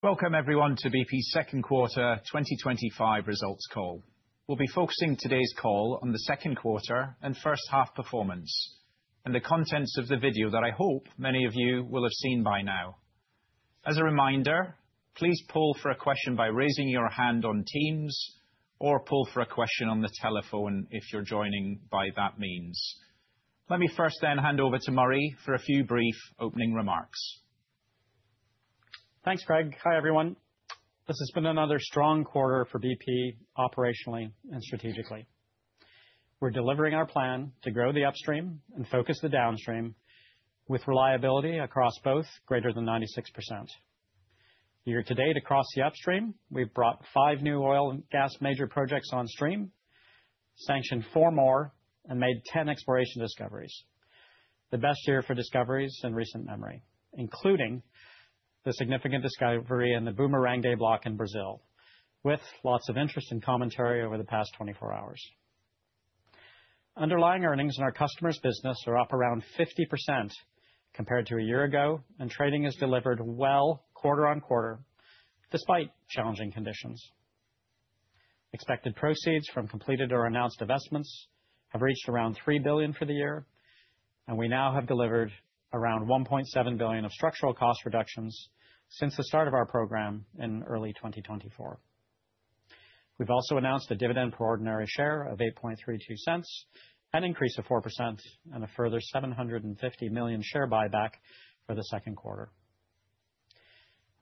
Welcome everyone to bp's second quarter 2025 results call. We'll be focusing today's call on the second quarter and first half performance and the contents of the video that I hope many of you will have seen by now. As a reminder, please queue for a question by raising your hand on teams or queue for a question on the telephone if you're joining by that means. Let me first then hand over to Murray for a few brief opening remarks. Thanks Greg. Hi everyone. This has been another strong quarter for bp operationally and strategically. We're delivering our plan to grow the upstream and focus the downstream with reliability across both greater than 96% year to date. Across the upstream, we've brought five new oil and gas major projects on stream, sanctioned four more, and made 10 exploration discoveries. The best year for discoveries in recent memory, including the significant discovery in the Bumerangue block in Brazil, with lots of interest and commentary over the past 24 hours. Underlying earnings in our customers business are up around 50% compared to a year ago, and trading has delivered well quarter-on-quarter despite challenging conditions. Expected proceeds from completed or announced divestments have reached around $3 billion for the. Year, and we now have delivered around. $1.7 billion of structural cost reductions since the start of our program in early 2024. We've also announced a dividend per ordinary share of $0.0832, an increase of 4%, and a further $750 million share buyback for the second quarter.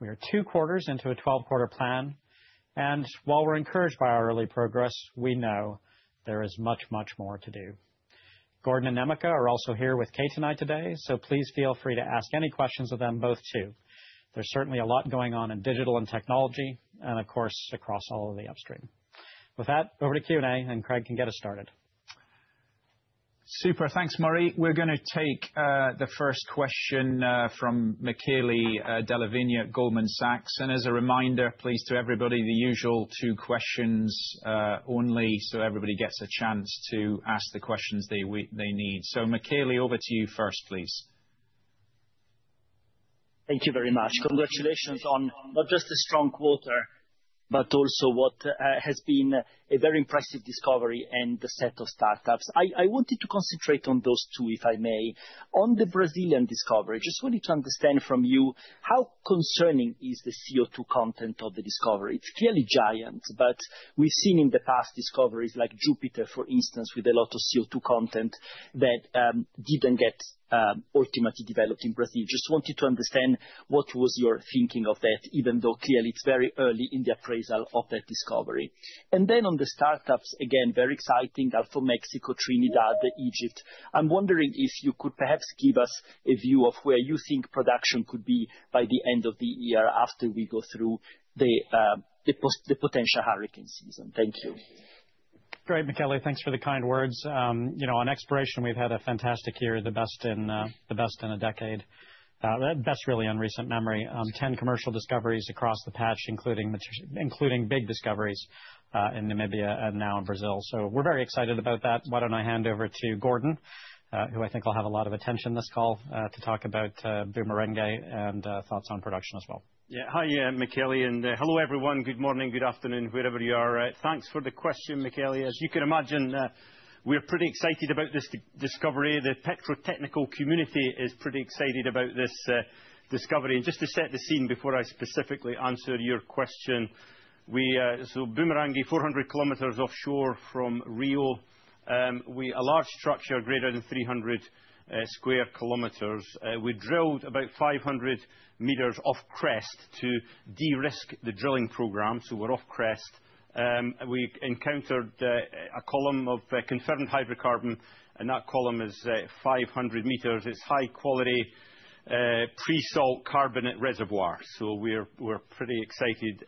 We are 2/4 into a 12 quarter plan, and while we're encouraged by our early progress, we know there is much, much more to do. Gordon and Emeka are also here with Kate and I today, so please feel free to ask any questions of them both too. There's certainly a lot going on in digital and technology and of course across all of the upstream. With that, over to Q&A, and Craig can get us started. Super. Thanks, Marie. We're going to take the first question from Michele Della Vigna at Goldman Sachs, and as a reminder, please, to everybody, the usual two questions only so everybody gets a chance to ask the questions they need. Michele, over to you first, please. Thank you very much. Congratulations on not just a strong quarter but also what has been a very impressive discovery and the set of startups. I wanted to concentrate on those two if I may. On the Brazilian discovery, just wanted to understand from you how concerning is the CO2 content of the discovery. It's clearly giant, but we've seen in the past discoveries like Jupiter, for instance, with a lot of CO2 content that didn't get ultimately developed in Brazil. Just wanted to understand what was your thinking of that, even though clearly it's very early in the appraisal of that discovery. On the startups, again, very exciting. Alpha, Mexico, Trinidad, Egypt. I'm wondering if you could perhaps give us a view of where you think production could be by the end of the year after we go through the potential hurricanes. Thank you. Great, Michele, thanks for the kind words. You know, on exploration we've had a fantastic year, the best in a decade. That's really in recent memory. 10 commercial exploration discoveries across the patch, including big discoveries in Namibia and now in Brazil. We're very excited about that. Why don't I hand over to Gordon, who I think will have a lot of attention this call, to talk about the Bumerangue block and thoughts on production as well. Yeah. Hi Michele and hello everyone. Good morning, good afternoon wherever you are. Thanks for the question, Michele. As you can imagine we're pretty excited about this discovery. The petrotechnical community is pretty excited about this discovery. Just to set the scene before I specifically answer your question, we have the Bumerangue block 400 kilometers offshore from Rio. We have a large structure greater than 300 sq km. We drilled about 500 m off crest to de-risk the drilling program. We're off crest, we encountered a column of confirmed hydrocarbon and that column is 500 m. It's high quality pre-salt carbonate reservoir. We're pretty excited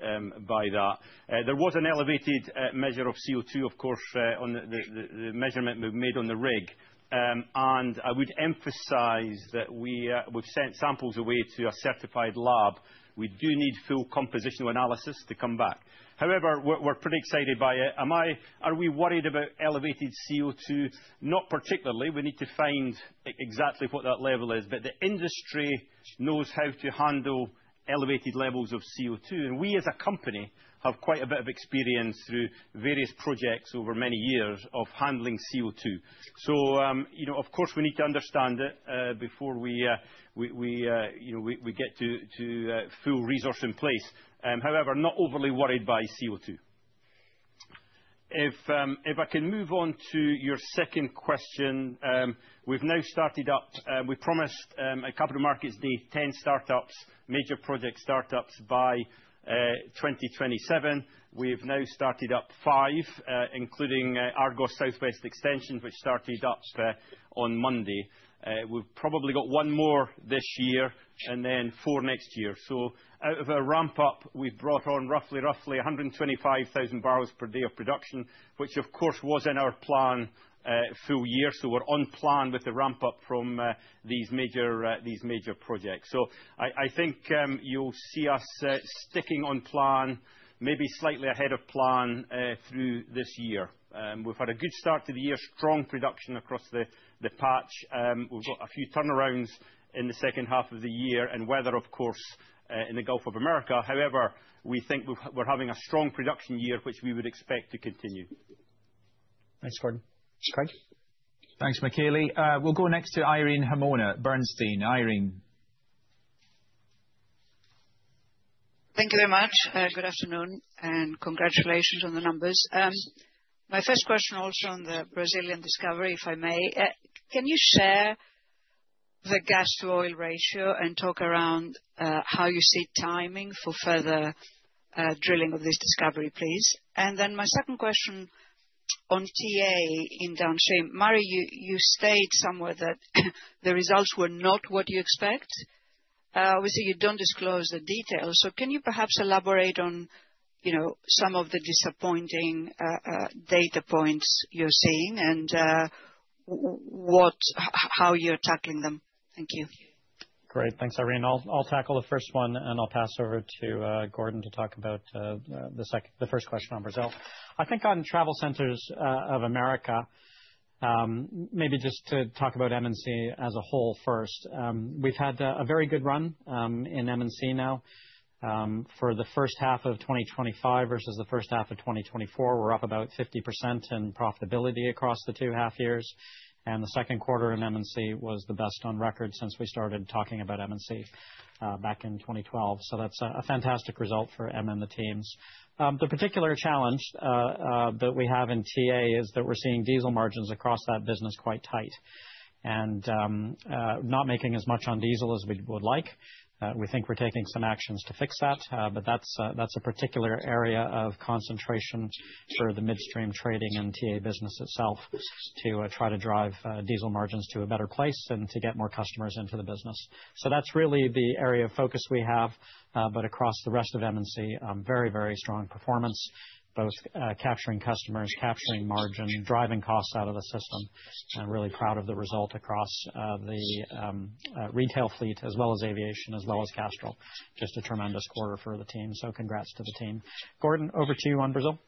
by that. There was an elevated measure of CO2, of course, on the measurement we made on the rig and I would emphasize that we've sent samples away to a certified lab. We do need full compositional analysis to come back. However, we're pretty excited by it. Are we worried about elevated CO2? Not particularly. We need to find exactly what that level is. The industry knows how to handle elevated levels of CO2 and we as a company have quite a bit of experience through various projects over many years of handling CO2. We need to understand it before we get to full resource in place. However, not overly worried by CO2. If. I can move on to your second question. We've now started up. We promised at Capital Markets Day 10 major project startups by 2027. We've now started up five, including Argos Southwest extensions, which started up on Monday. We've probably got one more this year and then four next year. Out of a ramp up, we brought on roughly 125,000 barrels per day of production, which of course was in our plan full year. We're on plan with the ramp up from these major projects. I think you'll see us sticking on plan, maybe slightly ahead of plan through this year. We've had a good start to the year. Strong production across the patch. We've got a few turnarounds in the second half of the year and weather, of course, in the Gulf of Mexico. However, we think we're having a strong production year, which we would expect to continue. Thanks, Gordon. Craig. Thanks, Michele. We'll go next to Irene Himona, Bernstein. Irene. Thank you very much. Good afternoon and congratulations on the numbers. My first question also on the Brazilian discovery, if I may, can you share the gas to oil ratio and talk around how you see timing for further drilling of this discovery, please? My second question on TA in downstream, Mari, you state somewhat that the results were not what you expect. Obviously you don't disclose the details. Can you perhaps elaborate on, you know, some of the disappointing data points you're seeing and how you're tackling them? Thank you. Great. Thanks, Irene. I'll tackle the first one and I'll pass over to Gordon to talk about the second. The first question on Brazil, I think on travel centers of America, maybe just to talk about MNC as a whole. First, we've had a very good run in MNC now for the first half of 2025 versus the first half of 2024. We're up about 50% in profitability across the two half years. The second quarter in MNC was the best on record since we started talking about MNC back in 2012. That's a fantastic result for M and the teams. The particular challenge that we have in TA is that we're seeing diesel margins across that business quite tight and not making as much on diesel as we would like. We think we're taking some actions to fix that, but that's a particular area of concentration for the midstream trading and TA business itself to try to drive diesel margins to a better place and to get more customers into the business. That's really the area of focus we have. Across the rest of MNC, very, very strong performance, both capturing customers, capturing margin, driving costs out of the system. I'm really proud of the result across the retail fleet as well as aviation as well as Castrol. Just a tremendous quarter for the team. Congrats to the team. Gordon, over to you on Brazil.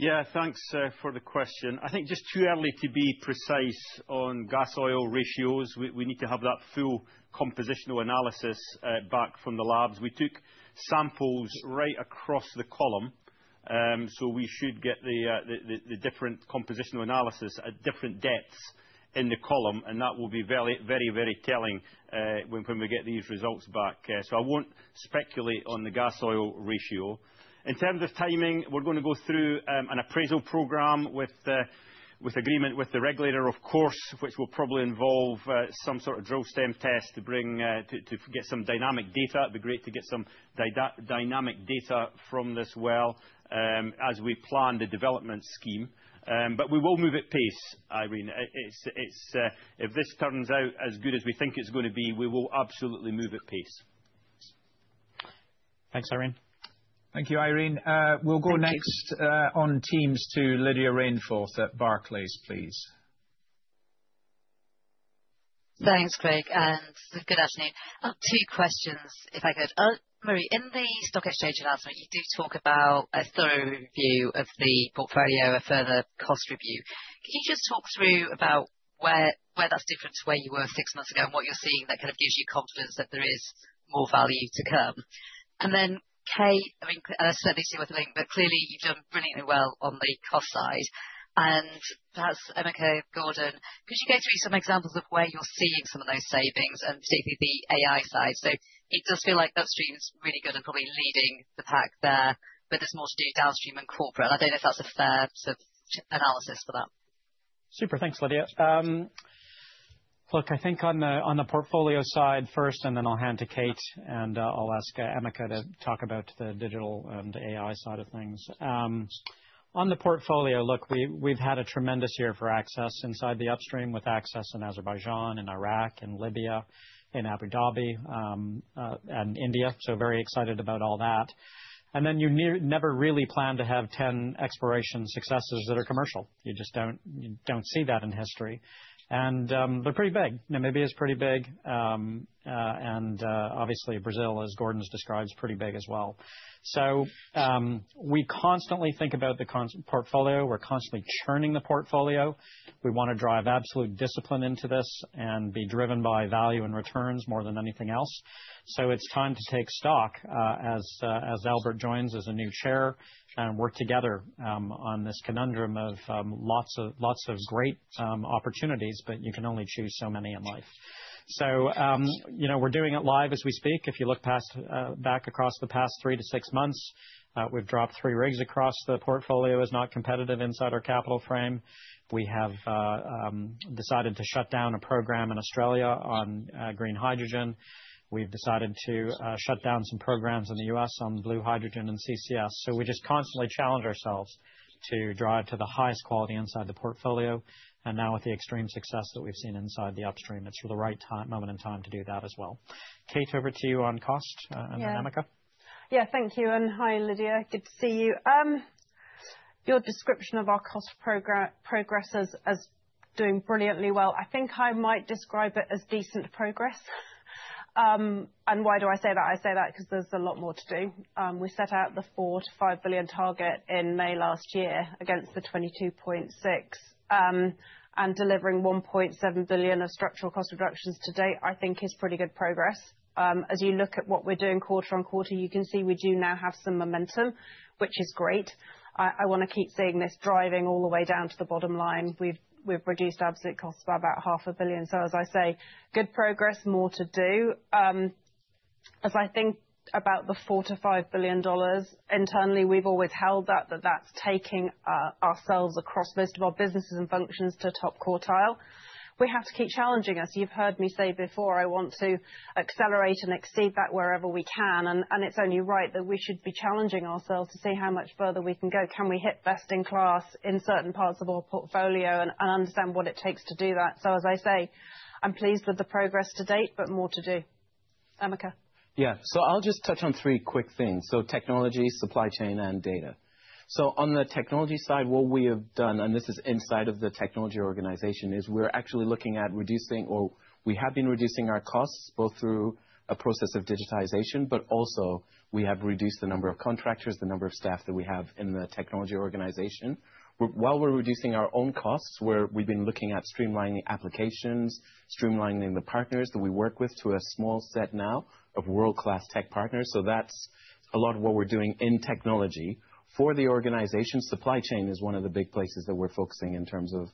Yeah, thanks for the question. I think it's just too early to be precise on gas oil ratios. We need to have that full compositional analysis back from the labs. We took samples right across the column, so we should get the different compositional analysis at different depths in the column, and that will be very, very telling when we get these results back. I won't speculate on the gas oil ratio in terms of timing. We're going to go through an appraisal program with agreement with the regulator, of course, which will probably involve some sort of drill stem test to get some dynamic data. It'd be great to get some dynamic data from this well as we plan the development scheme. We will move at pace, Irene, if this turns out as good as we think it's going to be, we will absolutely move at pace. Thanks, Irene. Thank you, Irene. We'll go next on teams to Lydia Rainforth at Barclays, please. Thanks, Craig, and good afternoon. Two questions if I could. Murray, in the stock exchange announcement you do talk about a thorough review of the portfolio, a further cost review. Can you just talk through about where, why that's different to where you were six months ago and what you're seeing that kind of gives you confidence that there is more value to come? Then, Kate, I mean certainly to other link, but clearly you've done brilliantly well on the cost side and perhaps Emeka, Gordon, could you go through some examples of where you're seeing some of those savings and particularly the AI side? It does feel like that stream is really good and probably leading the pack there, but there's more to do downstream and corporate. I don't know if that's a fair sort of analysis for that. Super, thanks Lydia. Look, I think on the portfolio side first and then I'll hand to Kate and I'll ask Emeka to talk about the digital and AI side of things. On the portfolio, we've had a tremendous year for access inside the upstream with access in Azerbaijan, in Iraq and Libya, in Abu Dhabi and India. Very excited about all that. You never really plan to have 10 exploration successes that are commercial. You just don't see that in history, and they're pretty big. Namibia is pretty big and obviously Brazil, as Gordon's described, is pretty big as well. We constantly think about the portfolio, we're constantly churning the portfolio. We want to drive absolute discipline into this and be driven by value and returns more than anything else. It's time to take stock as Albert joins as a new Chair and work together on this conundrum of lots of great opportunities, but you can only choose so many in life. You know we're doing it live as we speak. If you look back across the past three to six months, we've dropped three rigs across the portfolio as not competitive inside our capital frame. We have decided to shut down a program in Australia on green hydrogen. We've decided to shut down some programs in the U.S. on blue hydrogen and CCS. We just constantly challenge ourselves to drive to the highest quality inside the portfolio. Now with the extreme success that we've seen inside the upstream, it's the right moment in time to do that as well. Kate, over to you on cost and Emeka. Yeah, thank you. Hi Lydia, good to see you. Your description of our cost progress as doing brilliantly well, I think I might describe it as decent progress. Why do I say that? I say that because there's a lot more to do. We set out the $4 bilion-$5 billion target in May last year against the $22.6 billion. Delivering $1.7 billion of structural cost reductions to date I think is pretty good progress. As you look at what we're doing quarter-on-quarter, you can see we do now have some momentum, which is great. I want to keep seeing this driving all the way down to the bottom line. We've reduced absolute costs by about half a billion. Good progress, more to do. As I think $4 billion-$5 billion internally, we've always held that that's taking ourselves across most of our businesses and functions to top quartile. We have to keep challenging, as you've heard me say before, I want to accelerate and exceed that wherever we can. It's only right that we should be challenging ourselves to see how much further we can go. Can we hit best in class in certain parts of our portfolio and understand what it takes to do that? I'm pleased with the progress to date, but more to do. Emeka. Yeah. I'll just touch on three quick things: technology, supply chain, and data. On the technology side, what we have done, and this is inside of the technology organization, is we're actually looking at reducing, or we have been reducing, our costs both through a process of digitalization, but also we have reduced the number of contractors and the number of staff that we have in the technology organization. While we're reducing our own costs, we've been looking at streamlining applications and streamlining the partners that we work with to a small set now of world-class tech partners. That's a lot of what we're doing in technology for the organization. Supply chain is one of the big places that we're focusing in terms of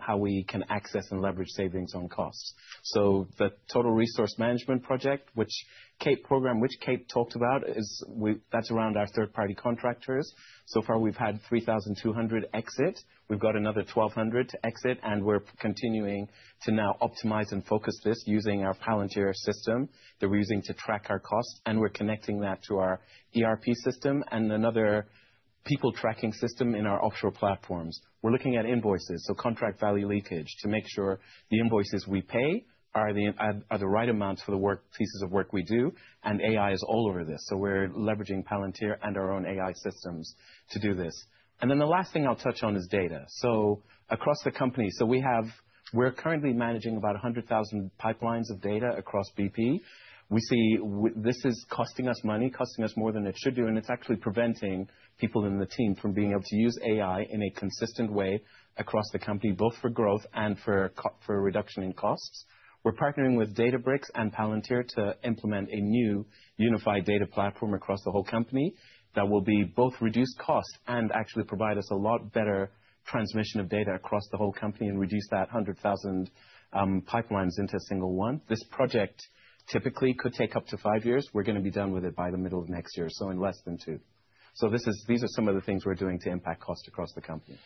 how we can access and leverage savings on costs. The total resource management program, which Kate talked about, is around our third-party contractors. So far we've had 3,200 exits. We've got another 1,200 to exit, and we're continuing to now optimize and focus this using our Palantir system that we're using to track our costs. We're connecting that to our ERP system and another people tracking system in our offshore platforms. We're looking at invoices and contract value leakage to make sure the invoices we pay are the right amounts for the pieces of work we do. AI is all over this. We're leveraging Palantir and our own AI systems to do this. The last thing I'll touch on is data across the company. We're currently managing about 100,000 pipelines of data across bp. We see this is costing us money, costing us more than it should do, and it's actually preventing people in the team from being able to use AI in a consistent way across the company, both for growth and for a reduction in costs. We're partnering with Databricks and Palantir to implement a new unified data platform across the whole company that will both reduce cost and actually provide us a lot better transmission of data across the whole company and reduce that 100,000 pipelines into a single one. This project typically could take up to five years. We're going to be done with it. By the middle of next year, in less than two. These are some of the things we're doing to impact cost across the company.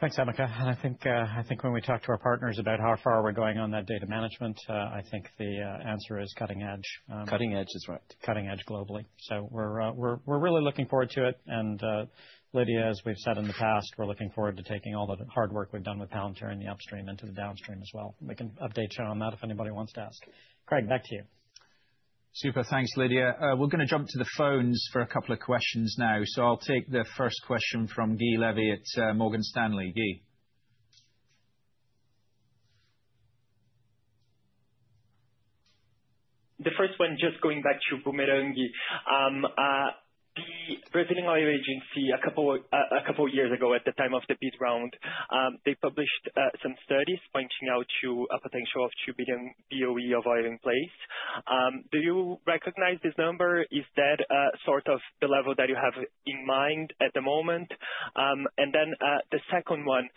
Thanks, Emeka. I think when we talk to our partners about how far we're going on that data management, the answer is cutting edge. Cutting edge is right, cutting edge globally. We're really looking forward to it. Lydia, as we've said in the past, we're looking forward to taking all the hard work we've done with Palantir and the upstream into the downstream as well. We can update you on that if anybody wants to ask. Craig, back to you. Super. Thanks, Lydia. We are going to jump to the phones for a couple of questions now. I will take the first question from Guil Levy. It is Morgan Stanley Guil. The first one. Just going back to the Bumerangue, the Brazilian Oil Agency a couple years ago at the time of the bid round, they published some studies pointing out to a potential of 2 billion boe of oil in place. Do you recognize this number? Is that sort of the level that you have in mind at the moment? The second one,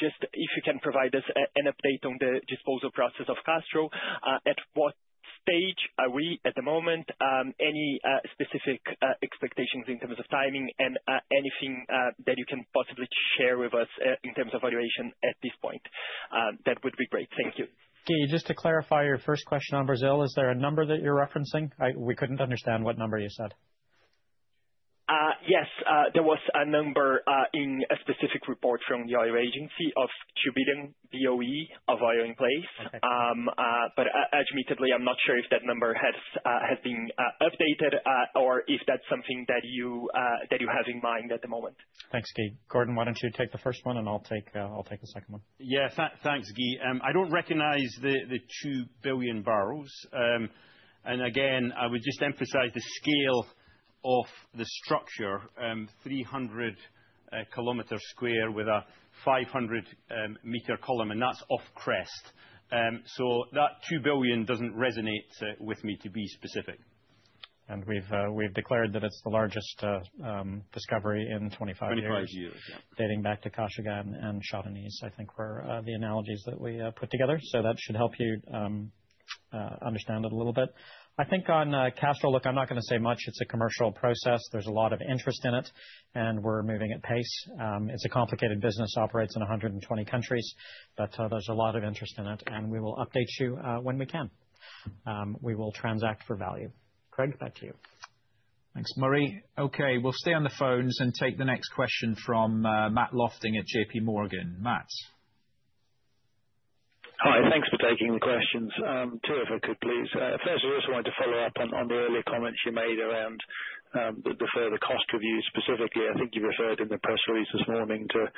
just if you can provide us an update on the disposal process of Castrol. At what stage are we at the moment, any specific expectations in terms of timing, and anything that you can possibly share with us in terms of valuation at this point, that would be great. Thank you. Steve, just to clarify your first question on Brazil, is there a number that you're referencing? We couldn't understand what number you said. Yes, there was a number in a specific report from the IR agency of bp of oil in place, but admittedly I'm not sure if that number has been updated or if that's something that you have in mind at the moment. Thanks, Guil. Gordon, why don't you take the first one, and I'll take the second one. Yeah, thanks, Guil. I don't recognize the 2 billion barrels. I would just emphasize the scale of the structure: 300 kilometer square with a 500 meter column, and that's off crest. That 2 billion doesn't resonate with me, to be specific. We have declared that it's the largest discovery in 25 years, dating back to Kashagan and Chabanese, I think, were the analogies that we put together. That should help you understand it a little bit. I think on Castrol, look, I'm not going to say much. It's a commercial process. There's a lot of interest in it, and we're moving at pace. It's a complicated business, operates in 120 countries, and there's a lot of interest in it. We will update you when we can. We will transact for value. Craig, back to you. Thanks, Murray. Okay, we'll stay on the phones and take the next question from Matt Lofting at JPMorgan. Matt. Hi. Thanks for taking the questions. Two if I could please. First, I just wanted to follow up on the earlier comments you made around the further cost review. Specifically, I think you referred in the press releases to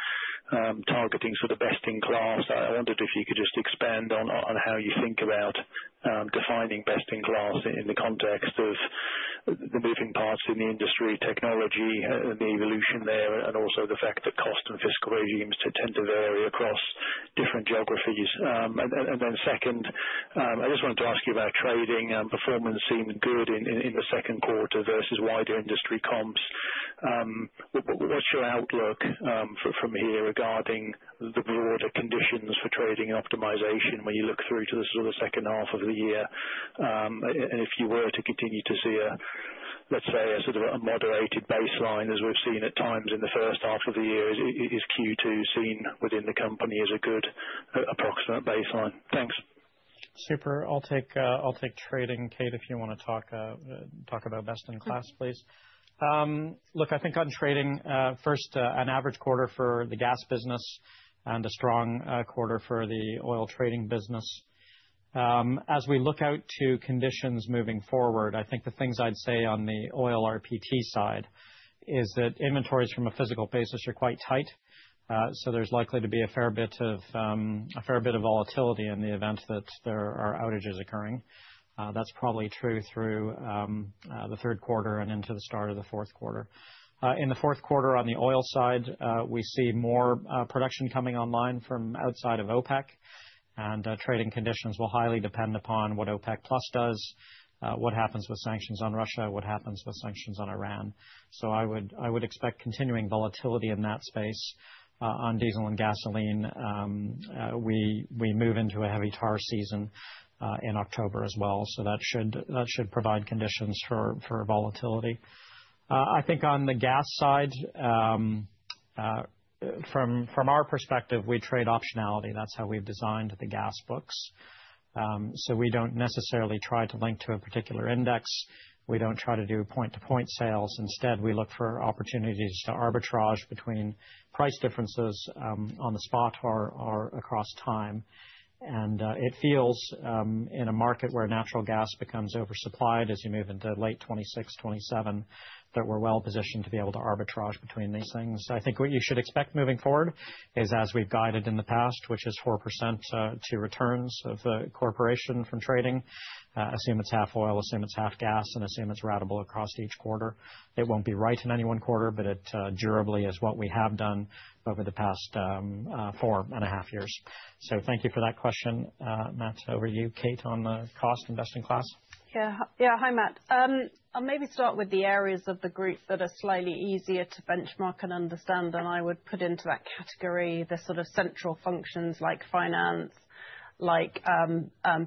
targeting sort of best. I wondered if you could just expand on how you think about defining best in class in the context of the moving parts in the industry, technology, the evolution there, and also the fact that cost and fiscal regimes tend to vary across different geographies. Second, I just wanted to ask you about trading performance. Seemed good in the second quarter versus wider industry comps. What's your outlook from here regarding the broader conditions for trading and optimization when you look through to the sort of second half of the year, and if you were to continue to see a, let's say, a sort of a moderated baseline as we've seen atx in the first half of the year, is Q2 seen within the company as a good approximate baseline. Thanks. Super. I'll take trading. Kate, if you want to talk about best in class, please. Look, I think on trading first, an average quarter for the gas business and a strong quarter for the oil trading business as we look out to conditions moving forward. I think the things I'd say on the oil rpt side is that inventories from a physical basis are quite tight, so there's likely to be a fair bit of volatility in the event that there are outages occurring. That's probably true through the third quarter and into the start of the fourth quarter. In the fourth quarter on the oil side, we see more production coming online from outside of OPEC, and trading conditions will highly depend upon what OPEC does, what happens with sanctions on Russia, what happens with sanctions on Iran. I would expect continuing volatility in that space. On diesel and gasoline, we move into a heavy tar season in October as well, so that should provide conditions for volatility. I think on the gas side from our perspective, we trade optionality. That's how we've designed the gas books. We don't necessarily try to link to a particular index. We don't try to do point to point sales. Instead, we look for opportunities to arbitrage between price differences on the spot or across time. It feels in a market where natural gas becomes oversupplied as you move into late 2026, 2027, that we're well positioned to be able to arbitrage between these things. I think what you should expect moving forward is as we've guided in the past, which is 4% to returns of the corporation from trading. Assume it's half oil, assume it's half gas, and assume it's ratable across each quarter. It won't be right in any one quarter, but it durably is what we have done over the past four and a half years. Thank you for that question, Matt. Over to you, Kate, on the cost investing class. Yeah, yeah. Hi Matt. I'll maybe start with the areas of the group that are slightly easier to benchmark and understand than I would put into that category. The sort of central functions like Finance, like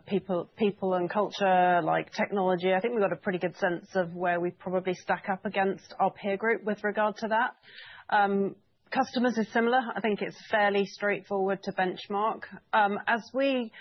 People and Culture, like Technology. I think we've got a pretty good sense of where we probably stack up against our peer group with regard to that. Customers is similar. I think it's fairly straightforward to benchmark as we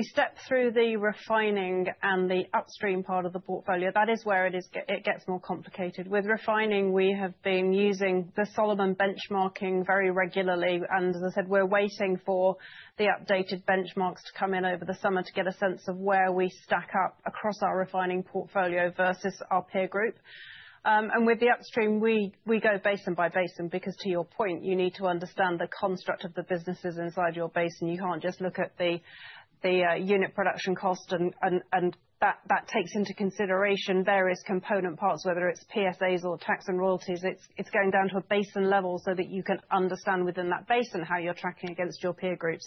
step through the refining and the upstream part of the portfolio. It gets more complicated with refining. We have been using the Solomon benchmarking very regularly, and as I said, we're waiting for the updated benchmarks to come in over the summer to get a sense of where we stack up across our refining portfolio versus our peer group. With the upstream, we go basin by basin because, to your point, you need to understand the construct of the businesses inside your basin. You can't just look at the unit production cost, and that takes into consideration various component parts, whether it's PSAs or tax and royalties. It's going down to a basin level so that you can understand within that basin how you're tracking against your peer group.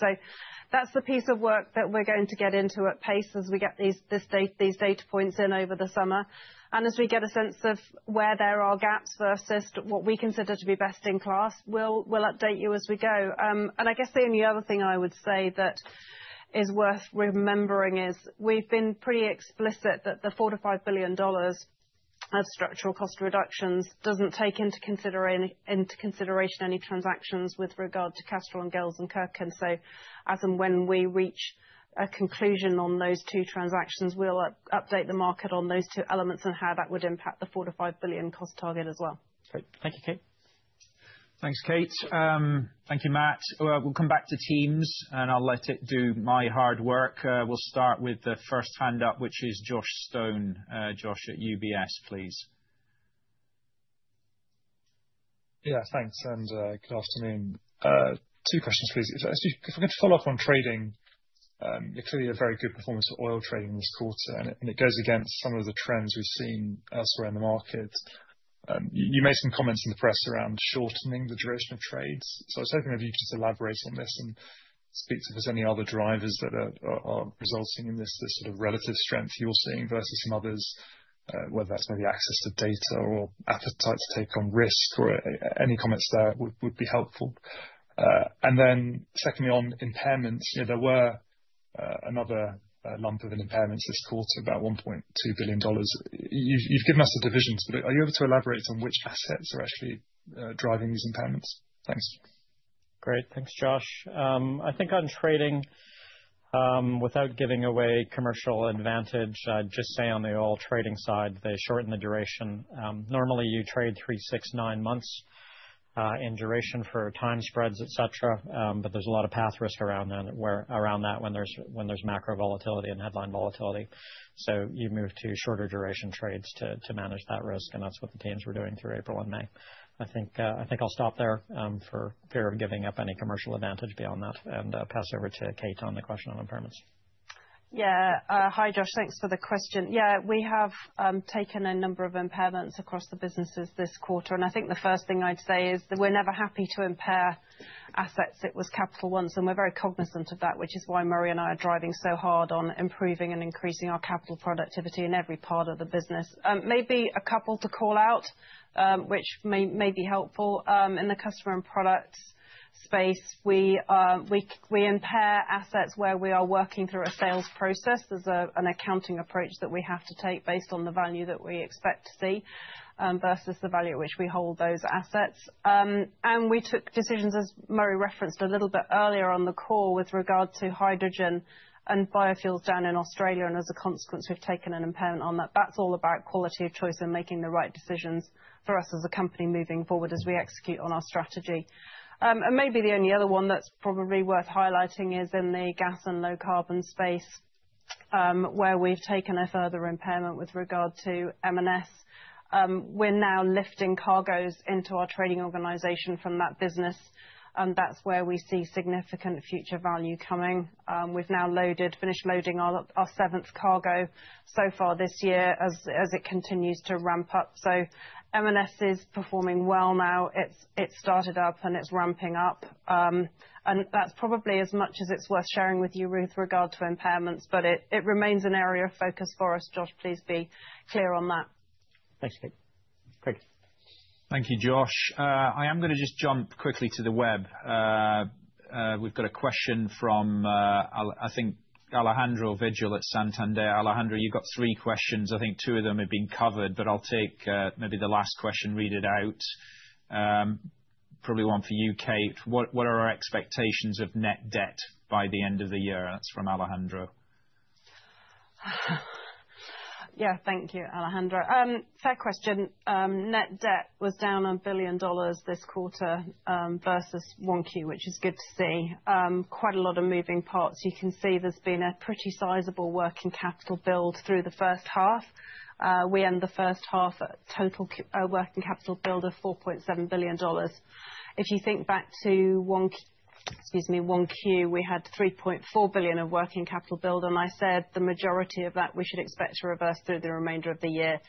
That's the piece of work that we're going to get into at pace as we get these data points in over the summer, and as we get a sense of where there are gaps versus what we consider to be best in class, we'll update you as we go. I guess the only other thing I would say that is worth remembering is we've been pretty explicit $4 billion-$5 billion of structural cost reductions doesn't take into consideration any transactions with regard to Castrol and Gels and Kirk. As and when we reach a conclusion on those 2 transactions, we'll update the market on those 2 elements and how that would $4 billion-$5 billion cost target as well. Thank you, Kate. Thanks, Kate. Thank you, Matt. We'll come back to teams and I'll let it do my hard work. We'll start with the first hand up, which is Josh Stone. Josh at UBS, please. Yeah, thanks and good afternoon. Two questions please. If we could follow up on trading. You clearly had very good performance for oil trading this quarter, and it goes against some of the trends we've seen elsewhere in the market. You made some comments in the press around shortening the duration of trades. I was hoping that you could just elaborate on this and speak to if there's any other drivers that are resulting in this sort of relative strength you're seeing versus some others. Whether that's maybe access to data or appetite to take on risks or any comments there would be helpful. Secondly, on impairments, there were another lump of an impairment this quarter, about $1.2 billion. You've given us the divisions, but are you able to elaborate on which assets are actually driving these impairments? Thanks. Great, thanks, Josh. I think on trading, without giving away commercial advantage, I'd just say on the oil trading side, they shorten the duration. Normally you trade 3 months, 6 months, 9 months in duration for time spreads, etc., but there's a lot of path risk around that when there's macro volatility and headline volatility. You move to shorter duration trades to manage that risk. That's what the teams were doing through April. I think I'll stop there for fear of giving up any commercial advantage beyond that and pass over to Kate on the question on impairments. Yeah, hi, Josh. Thanks for the question. We have taken a number of impairments across the businesses this quarter, and I think the first thing I'd say is that we're never happy to impair assets. It was capital one, so we're very cognizant of that, which is why Murray and I are driving so hard on improving and increasing our capital productivity in every part of the business. Maybe a couple to call out, which may be helpful in the customer and products space. We impair assets where we are working through a sales process as an accounting approach that we have to take based on the value that we expect to see versus the value at which we hold those assets. We took decisions, as Murray referenced a little bit earlier on the call, with regard to hydrogen and biofuels down in Australia, and as a consequence, we've taken an impairment on that. That's all about quality of choice and making the right decision for us as a company moving forward as we execute on our strategy. Maybe the only other one that's probably worth highlighting is in the gas and low carbon space where we've taken a further impairment with regard to M and S. We're now lifting cargoes into our trading organization from that business, and that's where we see significant future value coming. We've now loaded, finished loading our seventh cargo so far this year as it continues to ramp up. M and S is performing well now. It started up and it's ramping up. That's probably as much as it's worth sharing with you, Ruth, with regard to impairments. It remains an area of focus for us, Josh. Please be clear on that. Thanks, Craig. Thank you, Josh. I am going to just jump quickly to the web. We've got a question from, I think, Alejandro Vigil at Santander. Alejandro, you've got three questions. I think two of them have been covered, but I'll take maybe the last question. Read it out. Probably one for you, Kate. What are our expectations of net debt by the end of the year? That's from Alejandro. Yeah. Thank you, Alejandra. Third question. Net debt was down $1 billion this quarter versus 1Q, which is good to see, quite a lot of moving parts. You can see there's been a pretty sizable working capital build through the first half. We end the first half with a total working capital build of $4.7 billion. If you think back to 1Q, we had $3.4 billion of working capital build, and I said the majority of that we should expect to reverse through the remainder of the year.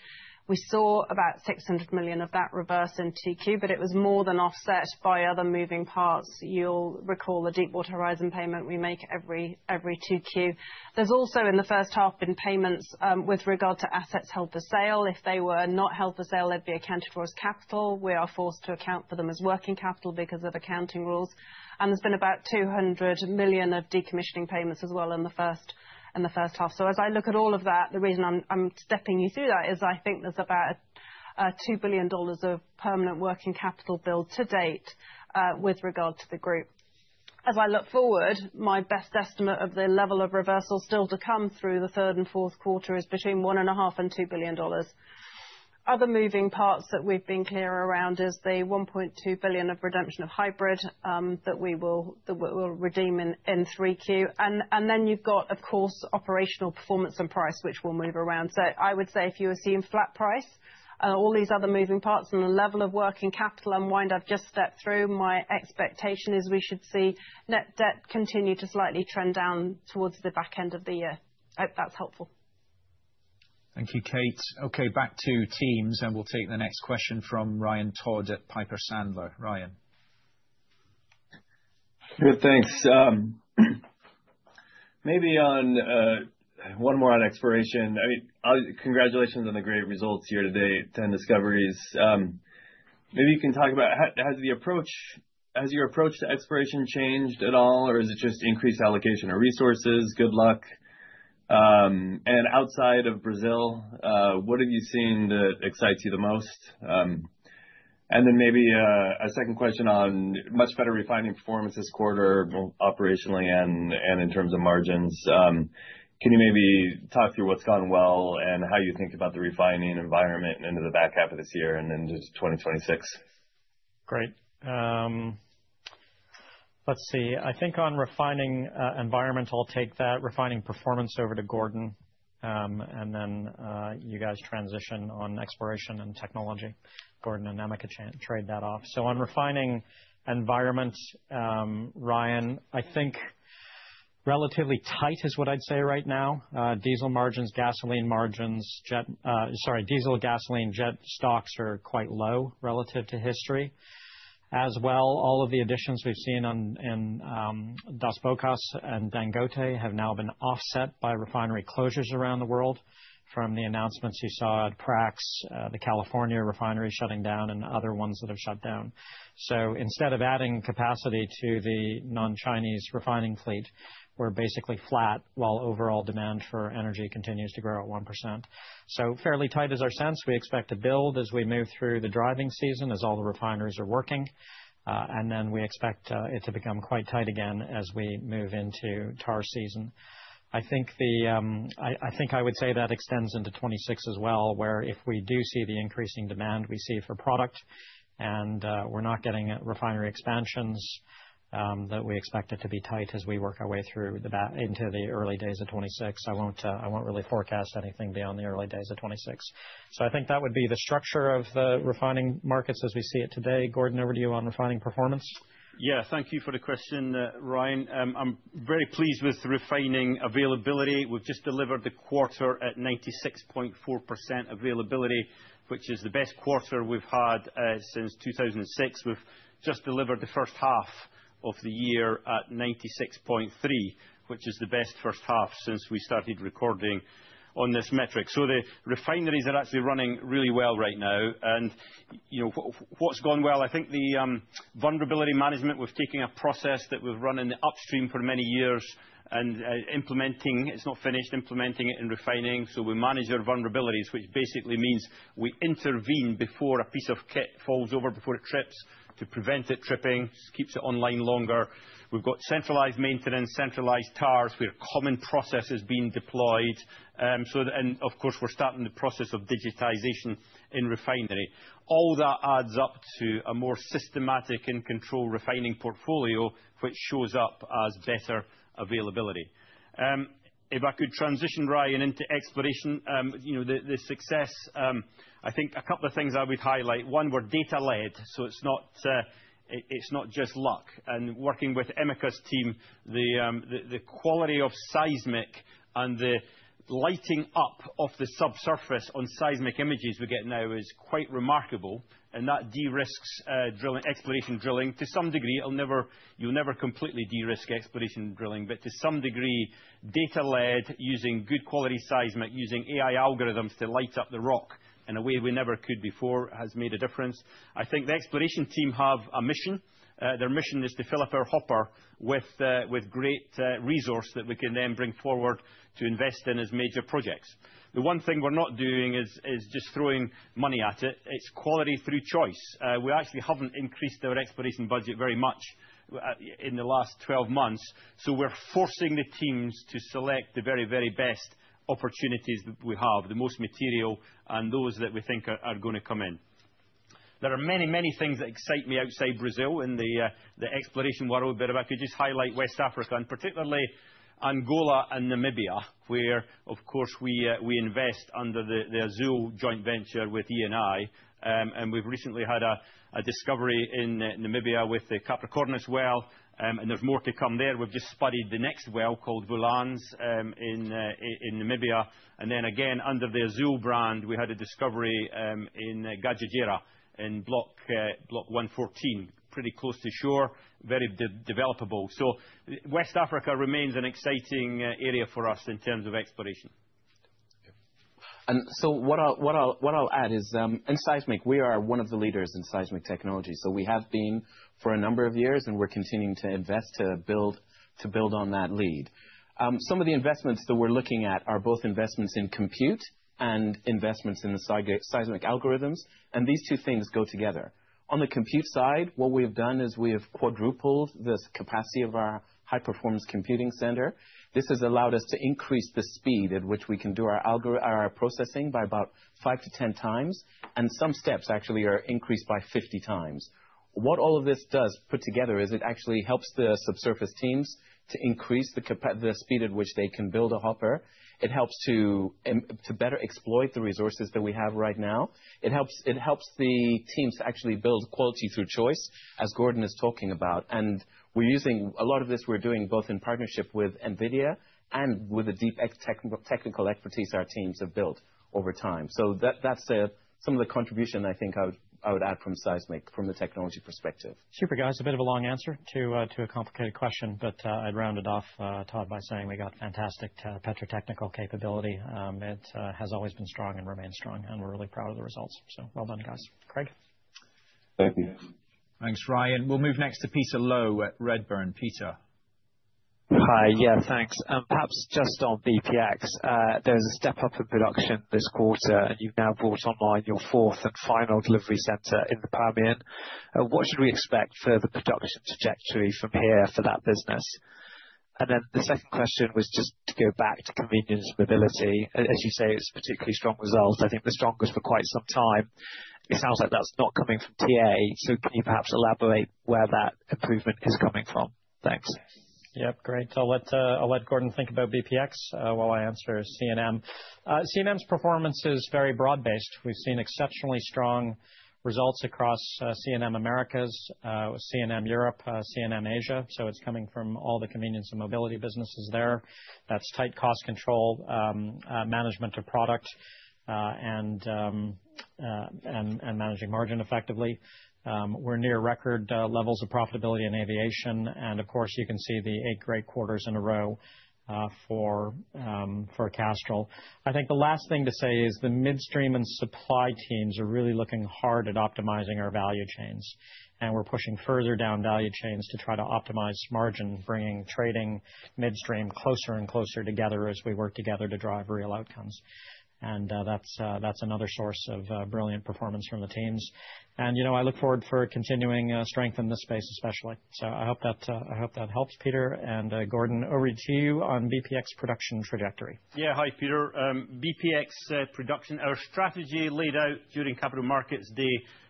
We saw about $600 million of that reverse in 2Q, but it was more than offset by other moving parts. You'll recall the Deepwater Horizon payment we make every 2Q. There's also, in the first half, been payments with regard to assets held for sale. If they were not held for sale, they'd be accounted for as capital. We are forced to account for them as working capital because of accounting rules. There's been about $200 million of decommissioning payments as well in the first half. As I look at all of that, the reason I'm stepping you through that is I think there's about $2 billion of permanent working capital build to date. With regard to the group, as I look forward, my best estimate of the level of reversal still to come through the third and fourth quarter is between $1.5 billion and $2 billion. Other moving parts that we've been clear around is the $1.2 billion of redemption of hybrid that we will redeem in 3Q. Then you've got, of course, operational performance and price, which will move around. I would say if you assume flat price, all these other moving parts and the level of working capital unwind I've just stepped through, my expectation is we should see net debt continue to slightly trend down towards the back end of the year. That's helpful. Thank you, Kate. Okay, back to teams. We'll take the next question from Ryan Todd at Piper Sandler. Ryan. Good, thanks. Maybe one more on exploration, congratulations on the great results here today. 10 discoveries. Maybe you can talk about how the approach has your approach to exploration changed at all or just increased allocation of resources? Good luck. Outside of Brazil, what have you seen that excites you the most? Maybe a second question on much better refining performance this quarter, both operationally and in terms of margins. Can you talk through what's gone well and how you think about the refining environment into the back half of this year and into 2026? Great. I think on refining environment, I'll take that refining performance over to Gordon and then you guys transition on exploration and technology. Gordon and Emeka could trade that off. On refining environments, Ryan, I think relatively tight is what I'd say right now. Diesel margins, gasoline margins, jet. Sorry, diesel, gasoline, jet. Stocks are quite low relative to history as well. All of the additions we've seen in Dos Bocas and Dangote have now been offset by refinery closures around the world. From the announcements you saw at Prax, the California refinery shutting down and other ones that have shut down. Instead of adding capacity to the non-Chinese refining fleet, we're basically flat while overall demand for energy continues to grow at 1%. Fairly tight is our sense. We expect to build as we move through the driving season as all the refineries are working, and we expect it to become quite tight again as we move into tar season. I think I would say that extends into 2026 as well, where if we do see the increasing demand we see for product and we're not getting refinery expansions, we expect it to be tight as we work our way through into the early days of 2026. I won't really forecast anything beyond the early days of 2026, so I think that would be the structure of the refining markets as we see it today. Gordon, over to you on refining performance. Yeah, thank you for the question, Ryan. I'm very pleased with refining availability. We've just delivered the quarter at 96.4% availability, which is the best quarter we've had since 2006. We've just delivered the first half of the year at 96.3%, which is the best first half since we started recording on this metric. The refineries are actually running really well right now. You know what's gone well? I think the vulnerability management was taking a process that was running upstream for many years and implementing. It's not finished implementing it in refining. We manage our vulnerabilities, which basically means we intervene before a piece of kit falls over, before it trips to prevent it tripping, keeps it online longer. We've got centralized maintenance, centralized TARs, we have common processes being deployed, and of course we're starting the process of digitalization in refinery. All that adds up to a more systematic and controlled refining portfolio, which shows up as better availability. If I could transition, Ryan, into exploration, the success, I think a couple of things I would highlight. One, we're data led, so it's not just luck and working with Emeka's team. The quality of seismic and the lighting up of the subsurface on seismic images we get now is quite remarkable. That de-risks drilling, exploration drilling to some degree. You'll never completely de-risk exploration drilling, but to some degree data led using good quality seismic, using AI algorithms to. Light up the rock in a way. We never could before, has made a difference. I think the exploration team have a mission. Their mission is to fill up our hopper with great resource that we can then bring forward to invest in as major projects. The one thing we're not doing is just throwing money at it. It's quality through choice. We actually haven't increased our exploration budget very much in the last 12 months. We're forcing the teams to select the very, very best opportunities that we have, the most material and those that we think are going to come in. There are many, many things that excite me outside Brazil in the exploration world. If I could just highlight West Africa and particularly Angola and Namibia, where of course we invest under the Azule joint venture with Eni. We've recently had a discovery in Namibia with the Capricornis well. There's more to come there. We've just studied the next well called Volans in Namibia. Again under the Azule brand, we had a discovery in Gajajira in Block 114, pretty close to shore. Very developable. West Africa remains an exciting area for us in terms of exploration. What I'll add is in seismic, we are one of the leaders in seismic technology. We have been for a number of years and we're continuing to invest to build on that lead. Some of the investments that we're looking at are both investments in compute and investments in the seismic algorithms. These two things go together. On the compute side, what we have done is we have quadrupled this capacity of our high performance computing center. This has allowed us to increase the speed at which we can do our algorithm processing by about 5x-10x, and some steps actually are increased by 50x. What all of this does put together is it actually helps the subsurface teams to increase the speed at which they can build a hopper. It helps to better exploit the resources that we have right now. It helps the teams actually build quality through choice, as Gordon is talking about, and we're using a lot of this. We're doing both in partnership with Nvidia and with the deep technical expertise our teams have built over time. That's some of the contribution I think I would add from seismic from the technology perspective. Super, guys. A bit of a long answer to a complicated question, but I'd round it off, Todd, by saying we got fantastic petrotechnical capability. It has always been strong and remains strong, and we're really proud of the results. So well done, guys. Craig, thank you. Thanks, Ryan. We'll move next to Peter Low at Redburn. Peter, hi. Yeah, thanks. Perhaps just on bpx, there was a step up in production this quarter and you've now brought online your fourth and final delivery center in the Permian. What should we expect further production trajectory from here for that business? The second question was just. To go back to convenience and mobility. As you say, it's particularly strong results. I think the strongest for quite some time. It sounds like that's not coming from TA. Can you perhaps elaborate where that improvement is coming from? Thanks. Yep. Great. I'll let Gordon think about bpx while I answer C&M. C&M's performance is very broad based. We've seen exceptionally strong results across C&M Americas, C&M Europe, C&M Asia. It's coming from all the convenience and mobility businesses there. That's tight cost control, management of product, and managing margin effectively. We're near record levels of profitability in aviation. Of course, you can see the eight great quarters in a row for Castrol. I think the last thing to say is the midstream and supply teams are really looking hard at optimizing our value chains. We're pushing further down value chains to try to optimize margin, bringing trading and midstream closer and closer together as we work together to drive real outcomes. That's another source of brilliant performance from the teams. I look forward for continuing strength in this space especially. I hope that helps. Peter and Gordon, over to you on bpx production trajectory. Yeah, hi Peter. bpx production, our strategy laid out during Capital Markets Day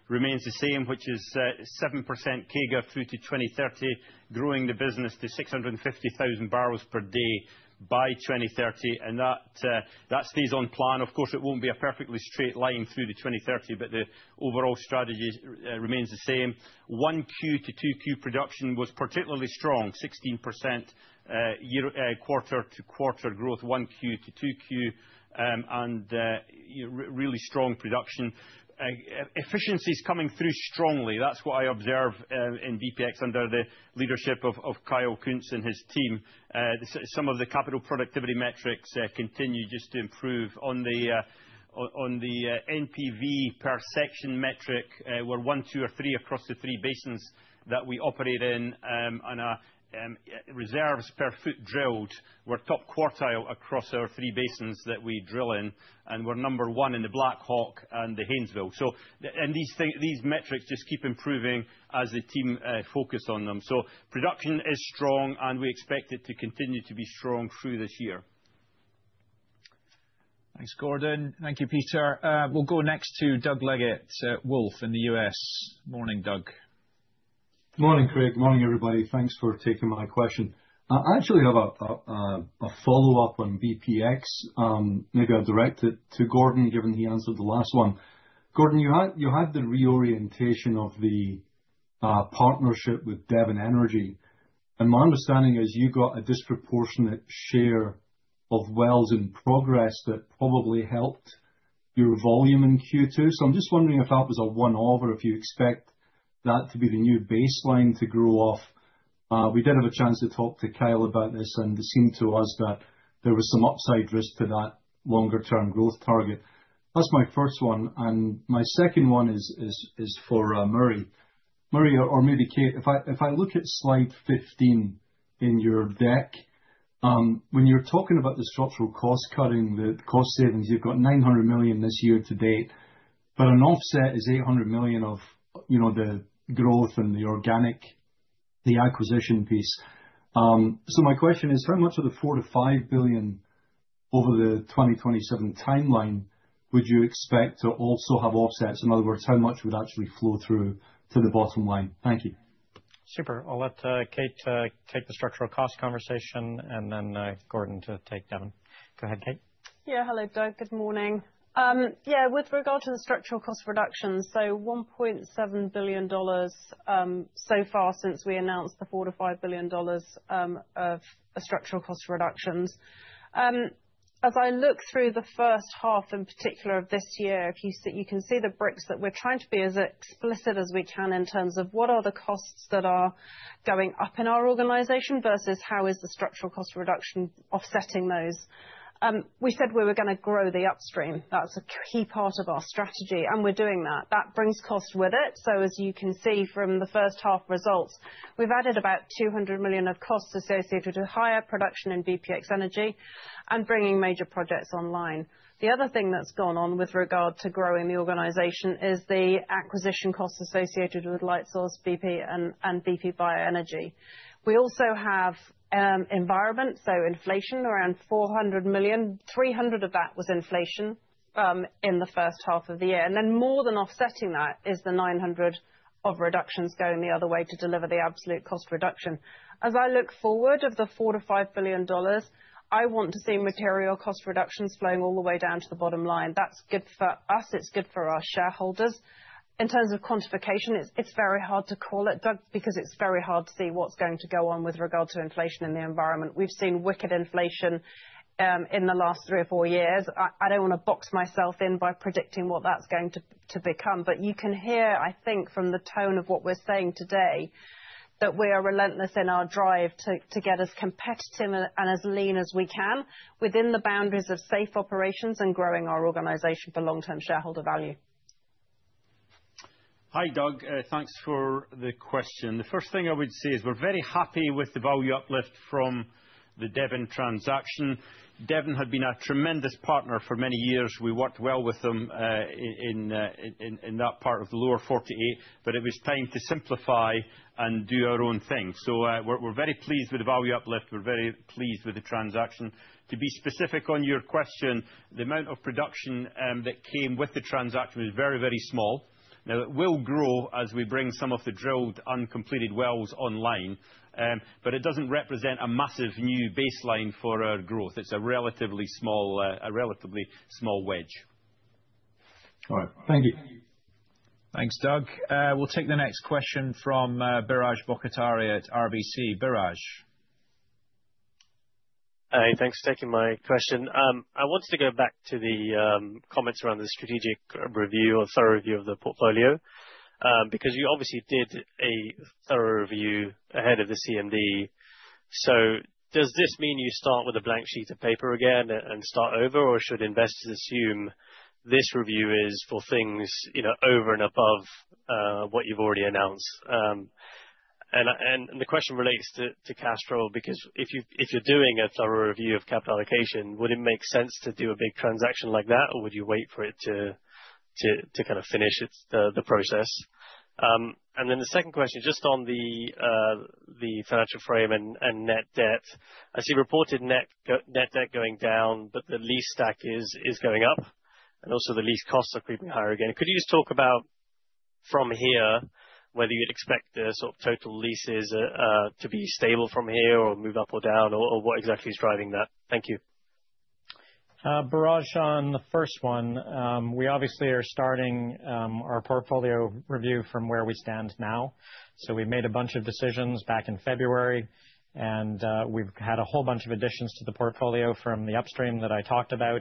remains the same, which is 7% CAGR through to 2030, growing the business to 650,000 barrels per day by 2030. That stays on plan. Of course, it won't be a perfectly straight line through 2030, but the overall strategy remains the same. 1Q to 2Q production was particularly strong, 16% quarter-to-quarter growth, 1Q to 2Q, and really strong production efficiency is coming through strongly. That's what I observe in bpx under the leadership of Kyle Koontz and his team. Some of the capital productivity metrics continue just to improve. On the NPV per section metric, we're 1, 2, or 3 across the three basins that we operate in. On reserves per foot drilled, we're top quartile across our three basins that we drill in, and we're number one in the Blackhawk and the Haynesville. These metrics just keep improving as the team focused on them. Production is strong, and we expect it to continue to be strong through this year. Thanks, Gordon. Thank you, Peter. We'll go next to Doug Leggate, Wolfe, in the U.S. Morning, Doug. Morning, Craig. Morning, everybody. Thanks for taking my question. I actually have a follow-up on bpx. Maybe I'll direct it to Gordon given he answered the last one. Gordon, you had the reorientation of the partnership with Devon Energy and my understanding is you got a disproportionate share of wells in progress that probably helped your volume in Q2. I'm just wondering if apples are one over if you expect that to be the new baseline to grow off. We did have a chance to talk to Kyle about this and it seemed to us that there was some upside risk to that longer-term growth target. That's my first one and my second one is for Murray or maybe Kate. If I look at slide 15 in your deck when you're talking about the structural cost cutting, the cost savings, you've got $900 million this year to date, but an offset is $800 million of the growth and the organic, the acquisition piece. My question is how much $4 billion-$5 billion over the 2027 timeline would you expect to also have offsets? In other words, how much would actually flow through to the bottom line? Thank you. Super. I'll let Kate take the structural cost conversation, and then Gordon to take Devin. Go ahead, Kate. Yeah. Hello, Doug. Good morning. Yeah. With regard to the structural cost reduction, so $1.7 billion so far since we $4 billion-$5 billion of structural cost reductions. As I look through the first half in particular of this year, you can see the bricks that we're trying to be as explicit as we can in terms of what are the costs that are going up in our organization versus how is the structural cost reduction offsetting those? We said we were going to grow the upstream. That's a key part of our strategy and we're doing that. That brings cost with it. As you can see, from the first half results, we've added about $200 million of costs associated with higher production in bpx energy and bringing major projects online. The other thing that's gone on with regard to growing the organization is the acquisition costs associated with Lightsource bp and bp Bioenergy. We also have environment. Inflation around $400 million, $300 million of that was inflation in the first half of the year. More than offsetting that is the $900 million of reductions going the other way to deliver the absolute cost reduction. As I look forward $4 billion-$5 billion, I want to see material cost reductions flowing all the way down to the bottom line. That's good for us, it's good for our shareholders. In terms of quantification, it's very hard to call it, Doug, because it's very hard to see what's going to go on with regard to inflation in the environment. We've seen wicked inflation in the last three or four years. I don't want to box myself in by predicting what that's going to do. You can hear, I think, from the tone of what we're saying today that we are relentless in our drive to get as competitive and as lean as we can within the boundaries of safe operations and growing our organization for long term shareholder value. Hi Doug, thanks for the question. The first thing I would say is we're very happy with the value uplift from the Devon transaction. Devon had been a tremendous partner for many years. We worked well with them in that part of the lower 40s, but it was time to simplify and do our own thing. We are very pleased with the value uplift. We are very pleased with the transaction. To be specific on your question, the amount of production that came with the transaction is very, very small. It will grow as we bring some of the drilled, uncompleted wells online, but it doesn't represent a massive new baseline for our growth. It's a relatively small, a relatively small well. All right, thank you. Thanks, Doug. We'll take the next question from Biraj Borkhataria at RBC. Hey, thanks for taking my question. I wanted to go back to the comments around the strategic review or thorough review of the portfolio because you obviously did a thorough review ahead of the CMD. Does this mean you start with a blank sheet of paper again and start over, or should investors assume this review is for things over and above what you've already announced and the question relates to cash flow? If you're doing a thorough review of capital allocation, would it make sense to do a big transaction like that, or would you wait for it to finish the process? The second question, just on the financial frame and net debt, as you reported, net debt going down, but the lease stack is going up, and also the lease costs are creeping higher. Again, could you just talk about from here whether you'd expect the total leases to be stable from here or move up or down or what exactly i Thank you.s driving that? Thank you, Biraj. On the first one, we obviously are starting our portfolio review from where we stand now. We made a bunch of decisions back in February, and we've had a whole bunch of additions to the portfolio from the upstream that I talked about.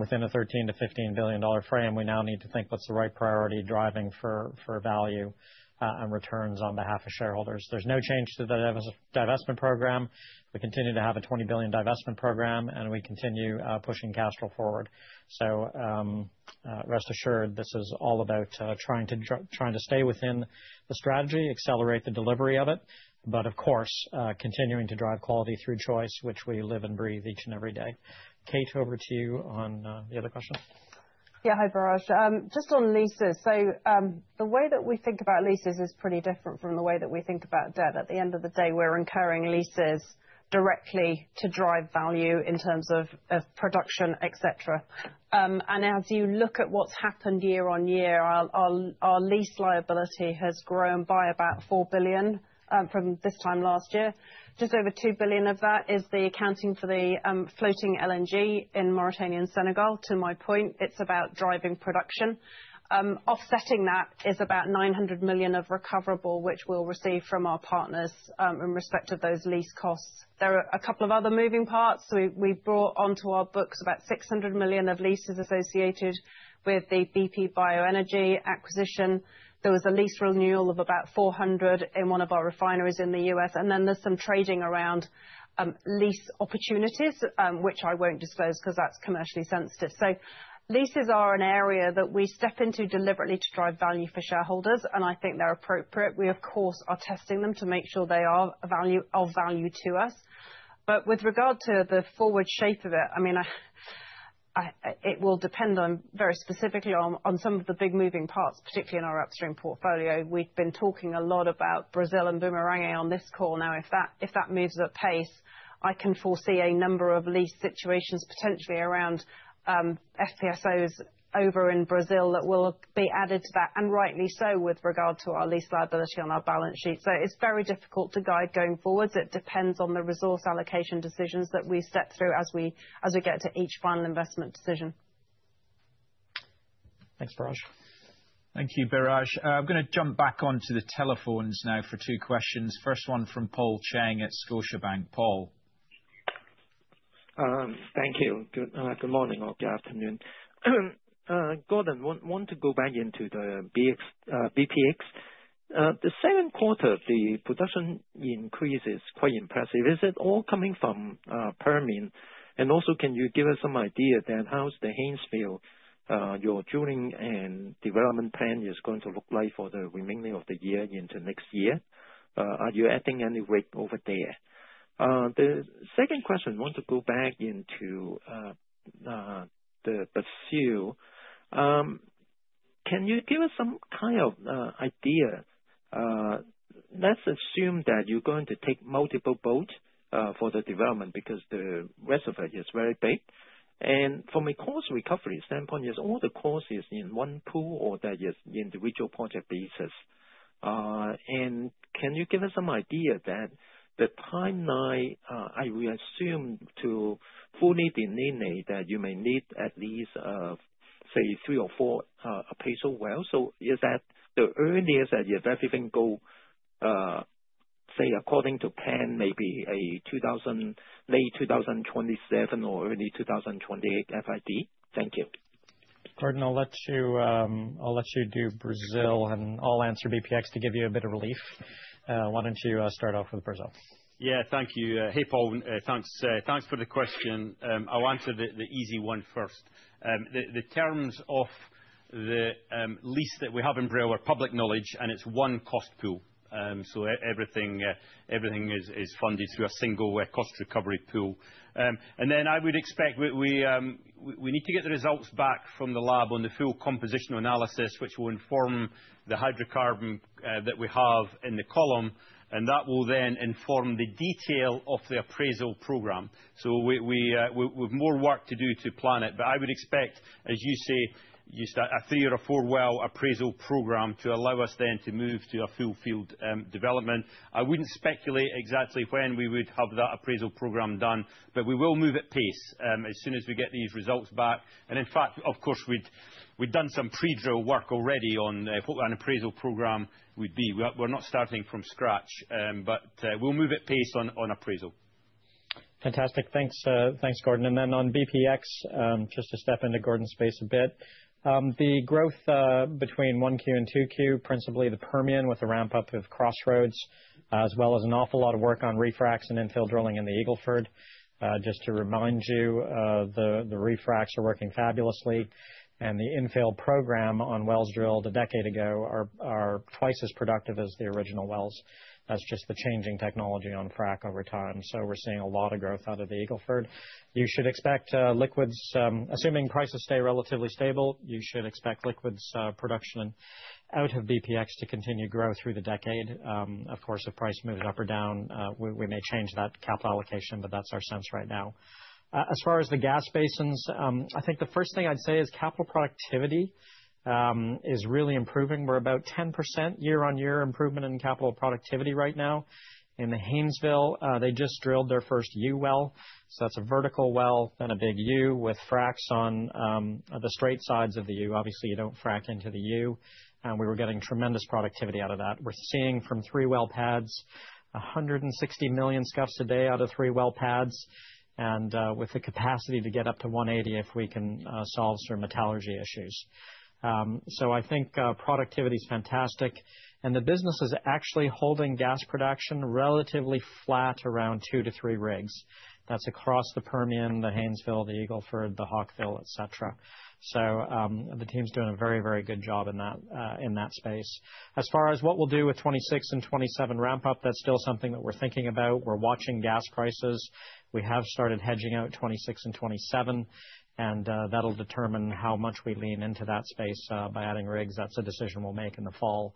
Within a $13 billion-$15 billion frame, we now need to think what's the right priority driving for value and returns on behalf of shareholders. There's no change to the divestment program. We continue to have a $20 billion divestment program, and we continue pushing Castrol forward. Rest assured, this is all about trying to stay within the strategy, accelerate the delivery of it, but of course, continuing to drive quality through choice, which we live and breathe each and every day. Kate, over to you on the other question. Yeah, hi, Biraj. Just on leases. The way that we think about leases is pretty different from the way that we think about debt. At the end of the day, we're incurring leases directly to drive value in terms of production, et cetera. As you look at what's happened year-on-year, our lease liability has grown by about $4 billion from this time last year. Just over $2 billion of that is the accounting for the floating LNG in Mauritania and Senegal. To my point, it's about driving production. Offsetting that is about $900 million of recoverable which we'll receive from our partners in respect of those lease costs. There are a couple of other moving parts. We brought onto our books about $600 million of leases associated with the bp Bioenergy acquisition. There was a lease renewal of about $400 million in one of our refineries in the U.S., and then there's some trading around lease opportunities, which I won't disclose because that's commercially sensitive. Leases are an area that we step into deliberately to drive value for shareholders, and I think they're appropriate. We, of course, are testing them to make sure they are of value to us. With regard to the forward shape of it, it will depend very specifically on some of the big moving parts, particularly in our upstream portfolio. We've been talking a lot about Brazil and Bumerangue on this call. If that moves at pace, I can foresee a number of lease situations potentially around FPSOs over in Brazil that will be added to that and rightly so with regard to our lease liability on our balance sheet. It's very difficult to guide going forward. It depends on the resource allocation decisions that we set through as we get to each final investment decision. Thanks, Bharaz. Thank you, Biraj. I'm going to jump back onto the telephones now for two questions. First one from Paul Cheng at Scotia Bank. Paul. Thank you. Good morning or good afternoon, Gordon. Want to go back into the bpx? The second quarter, the production increase is quite impressive. Is it all coming from Permian? Also, can you give us some idea how the Haynesville, your drilling and development plan, is going to look like for the remainder of the year into next year? Are you adding any rate over there? The second question, want to go back into the seal. Can you give us some kind of idea? Let's assume that you're going to take multiple boats for the development because the rest of it is very big, and from a cost recovery standpoint, is all the costs in one pool or is that individual project bases? Can you give us some idea of the timeline? I will assume to fully delineate that you may need at least, say, three or four phases. Is that the earliest that, even if it goes according to plan, maybe a late 2027 or early 2028 F.I.D.? Thank you, Gordon. I'll let you do Brazil, and I'll answer bpx to give you a bit of relief. Why don't you start off with Brazil? Yeah. Thank you. Hey Paul, thanks for the question. I'll answer the easy one first. The terms of the lease that we have in Brazil are public knowledge, and it's one cost pool. Everything is funded through a single cost recovery pool. I would expect we need to get the results back from the lab on the full compositional analysis, which will inform the hydrocarbon that we have in the column, and that will then inform the detail of the appraisal program. We have more work to do to plan it. I would expect, as you say, a three-year or four-well appraisal program to allow us then to move to a full field development. I wouldn't speculate exactly when we would have that appraisal program done, but we will move at pace as soon as we get these results back. In fact, of course, we've done some pre-drill work already on what an appraisal program would be. We're not starting from scratch, but we'll move at pace on appraisal. Fantastic. Thanks, Gordon. On bpx, just to step into Gordon's space a bit, the growth between 1Q and 2Q is principally the Permian with a ramp up of Crossroads as well as an awful lot of work on refracs and infill drilling in the Eagle Ford. Just to remind you, the refracs are working fabulously and the infill program on wells drilled a decade ago are twice as productive as the original wells. That's just the changing technology on FRAC over time. We're seeing a lot of growth out of the Eagle Ford. You should expect liquids, assuming prices stay relatively stable. You should expect liquids production out of bpx to continue to grow through the decade. Of course, if price moves up or down, we may change that capital allocation. That's our sense right now. As far as the gas basins, the first thing I'd say is capital productivity is really improving. We're about 10% year-on-year improvement in capital productivity right now. In Haynesville, they just drilled their first U well. That's a vertical well and a big U with fracs on the straight sides of the U. Obviously, you don't frack into the U. We were getting tremendous productivity out of that. We're seeing from three well pads 160 million scuffs a day out of three well pads, with the capacity to get up to 180 if we can solve certain metallurgy issues. I think productivity is fantastic and the business is actually holding gas production relatively flat around two to three rigs. That's across the Permian, the Haynesville, the Eagle Ford, the Hawkville, etc. The team's doing a very, very good job in that space. As far as what we'll do with 2026 and 2027 ramp up, that's still something that we're thinking about. We're watching gas prices. We have started hedging out 2026 and 2027 and that'll determine how much we lean into that space by adding rigs. That's a decision we'll make in the fall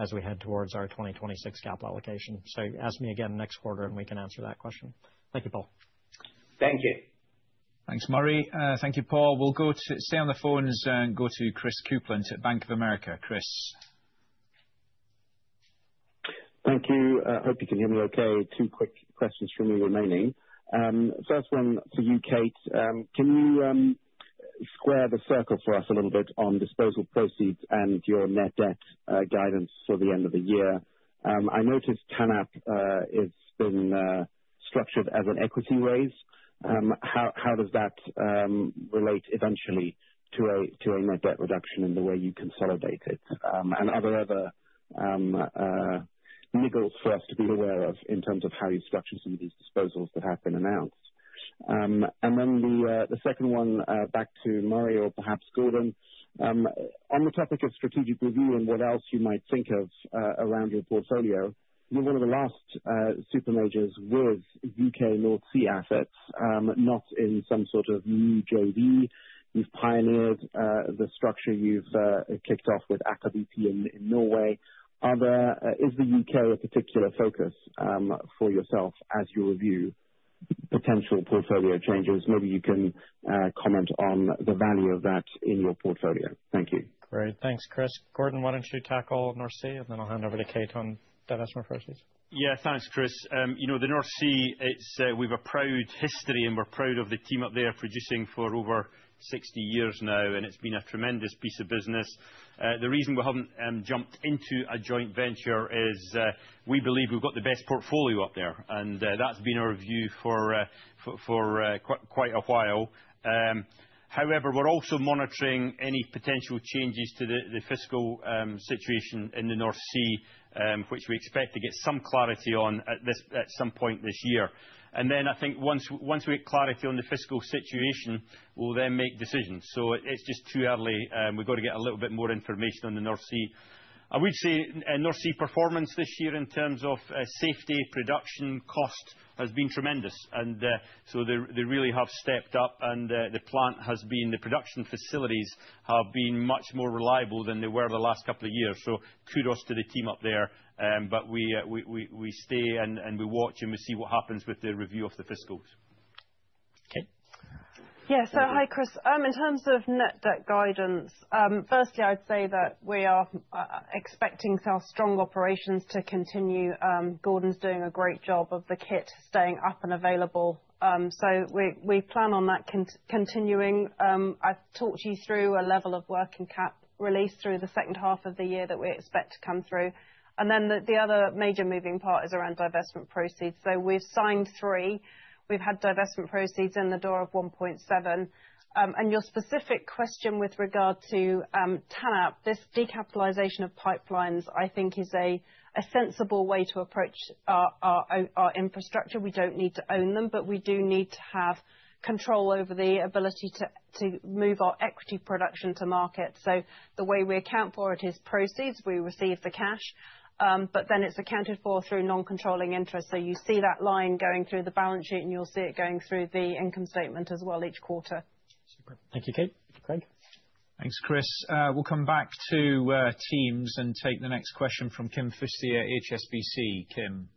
as we head towards our 2026 gap allocation. Ask me again next quarter and we can answer that question. Thank you, Paul. Thank you. Thanks, Murray. Thank you, Paul. We'll stay on the phones and go to Chris Kuplent at Bank of America. Chris. Thank you. Hope you can hear me. Okay, two quick questions from you remaining. First, one for you, Kate. Can you square the circle for us a little bit on disposal proceeds and your net debt guidance for the end of the year? I noticed TANAP has been structured as an equity raise. How does that relate eventually to a net debt reduction in the way you consolidate it and other niggles for us to be aware of in terms of how you structure some of these disposals that have been announced? The second one back to Murray or perhaps Gordon, on the topic of strategic review and what else you might think of around your portfolio. One of the last super majors was U.K. North Sea Assets. Not in some sort of EU [Joyd]. You've pioneered the structure. You've kicked off with Akabiti in Norway. Is the U.K. a particular focus for yourself as you review potential portfolio changes? Maybe you can comment on the value of that in your portfolio. Thank you. Great, thanks, Chris. Gordon, why don't you tackle North Sea, and then I'll hand over to Kate on divestment first, please? Yeah, thanks, Chris. You know, the North Sea, we have a proud history and we're proud of the team up there producing for over 60 years now, and it's been a tremendous piece of business. The reason we haven't jumped into a joint venture is we believe we've got the best portfolio up there, and that's been our view for quite a while. However, we're also monitoring any potential changes to the fiscal situation in the North Sea, which we expect to get some clarity on at some point this year. I think once we get clarity on the fiscal situation, we'll then make decisions. It's just too early. We've got to get a little bit more information on the North Sea. I would say North Sea performance this year in terms of safety and production cost has been tremendous, and so they really have stepped up and the plant has been. The production facilities have been much more reliable than they were the last couple of years. Kudos to the team up there. We stay and we watch and we see what happens with the review of the fiscals. Yeah. Hi, Chris. In terms of net debt guidance, firstly, I'd say that we are expecting our strong operations to continue. Gordon's doing a great job of the kit staying up and available, so we plan on that continuing. I've talked you through a level of working capital release through the second half of the year that we expect to come through. The other major moving part is around divestment proceeds. We've signed three, we've had divestment proceeds in the door of $1.7 billion. Your specific question with regard to this decapitalization of pipelines I think is a sensible way to approach our infrastructure. We don't need to own them, but we do need to have control over the ability to move our equity production to market. The way we account for it is proceeds. We receive the cash but then it's accounted for through non-controlling interest. You see that line going through the balance sheet and you'll see it going through the income statement as well, each quarter. Thank you, Kate. Craig, thanks, Chris. We'll come back to teams and take the next question from Kim Fustier, HSBC. Kim.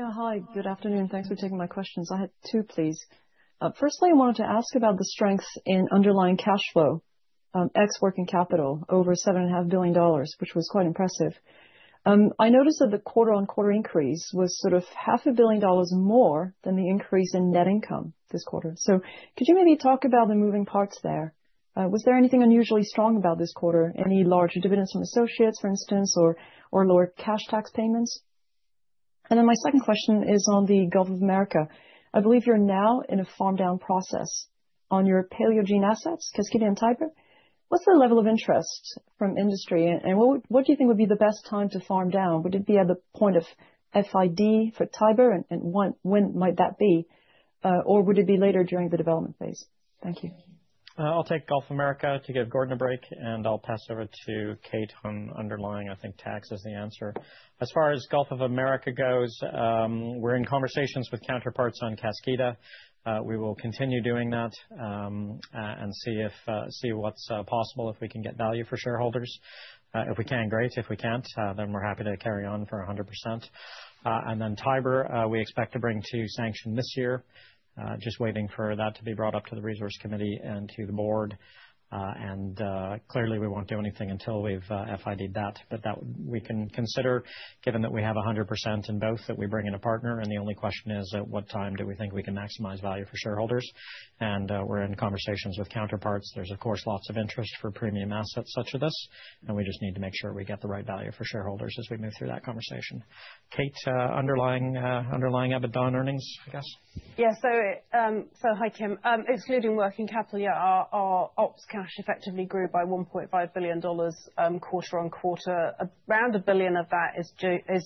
Hi, good afternoon. Thanks for taking my questions. I had two, please. Firstly, I wanted to ask about the strength in underlying cash flow ex working capital over $7.5 billion, which was quite impressive. I noticed that the quarter-on-quarter increase was sort of $0.5 billion more than the increase in net income this quarter. Could you maybe talk about the moving parts there? Was there anything unusually strong about this quarter? Any larger dividends from associates, for instance, or lower cash tax payments? My second question is on the Gulf of America. I believe you're now in a farm down process on your Paleogene assets, Cascadia and Tiber. What's the level of interest from industry and what do you think would be the best time to farm down? Would it be at the point of FID for Tiber and when might that be, or would it be later during the development phase? Thank you. I'll take Gulf of America to give Gordon a break, and I'll pass over to Kate on underlying. I think tax is the answer as far as Gulf of America goes. We're in conversations with counterparts on Caskita. We will continue doing that and see what's possible. If we can get value for shareholders, great. If we can't, then we're happy to carry on for 100%. Tiber we expect to bring to sanction this year, just waiting for that to be brought up to the resource committee and to the board, and clearly we won't do anything until we've FID that. Given that we have 100% in both, we can consider bringing in a partner. The only question is at what time do we think we can maximize value for shareholders. We're in conversations with counterparts. There's lots of interest for premium assets such as this. We just need to make sure we get the right value for shareholders as we move through that conversation. Paige, underlying EBITDA and earnings, I guess. Yeah. Hi Kim. Excluding working capital, our ops cash effectively grew by $1.5 billion quarter-on-quarter. Around $1 billion of that is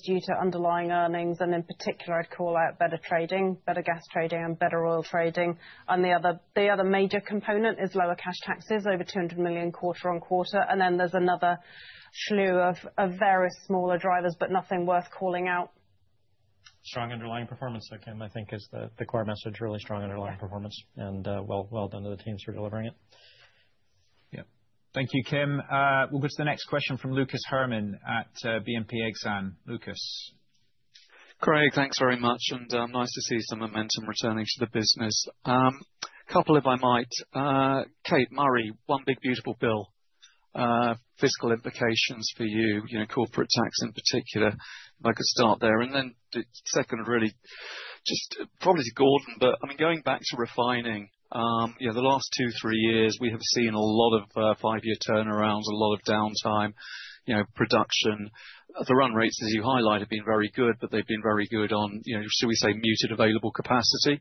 due to underlying earnings, and in particular I'd call out better trading, better gas trading, and better oil trading. The other major component is lower cash taxes, over $200 million quarter-on-quarter. There's another slew of various smaller drivers, but nothing worth calling out. Strong underlying performance, Kim, I think is the core message. Really strong underlying performance, and well done to the teams for delivering it. Yeah. Thank you, Kim. We'll go to the next question from Lucas Herrmann at BNP Exane. Lucas Craig, thanks very much and nice to see some momentum returning to the business. A couple if I might, Kate, Murray, one big beautiful bill, fiscal implications for you. You know, corporate tax in particular, if I could start there. The second really just probably is Gordon. Going back to refining, the last two, three years we have seen a lot of five-year turnarounds, a lot of downtime production. The run rates, as you highlight, have been very good, but they've been very good on, should we say, muted available capacity.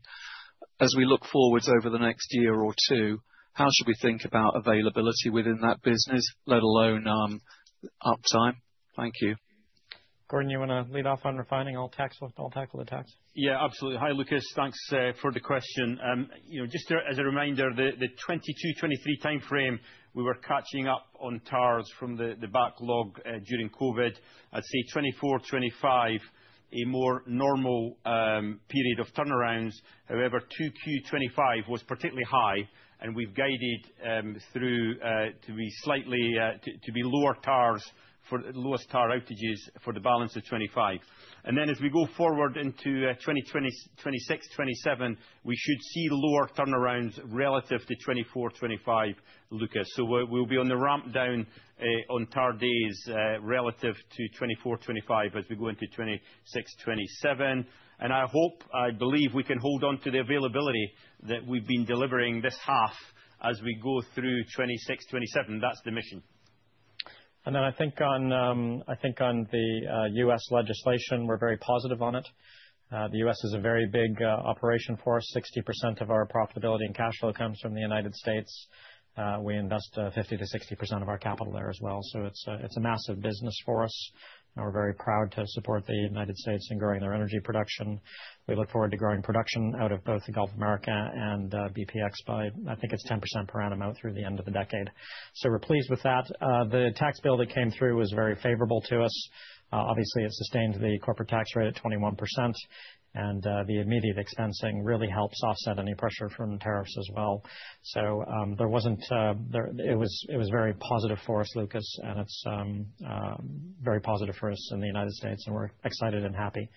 As we look forwards over the next year or two, how should we think about availability within that business, let alone uptime? Thank you. Gordon, you want to lead off on refining or pick up the tax? Yeah, absolutely. Hi Lucas, thanks for the question. You know, just as a reminder, the 2022-2023 time frame, we were catching up on TARs from the backlog during COVID. I'd say 2024-2025, a more normal period of turnarounds. However, 2Q 2025 was particularly high, and we've guided through to be slightly lower TARs for lowest TAR outages for the balance of 2025. As we go forward into 2026, 2027, we should see lower turnarounds relative to 2024-2025, Lucas. We'll be on the ramp down on TAR days relative to 2024-2025 as we go into 2026-2027. I hope, I believe we can hold on to the availability that we've been delivering this half as we go through 2026-2027. That's the mission. I think on the U.S. legislation we're very positive on it. The U.S. is a very big operation for us. 60% of our profitability and cash flow comes from the United States. We invest 50%-60% of our capital there as well. It's a massive business for us. We're very proud to support the United States in growing their energy production. We look forward to growing production out of both the Gulf of America and bpx by, I think, it's 10% per annum out through the end of the decade. We're pleased with that. The tax bill that came through was very favorable to us. It sustained the corporate tax rate at 21% and the immediate expensing really helps offset any pressure from tariffs as well. It was very positive for us, Lucas, and it's very positive for us in the United States. We're excited and happy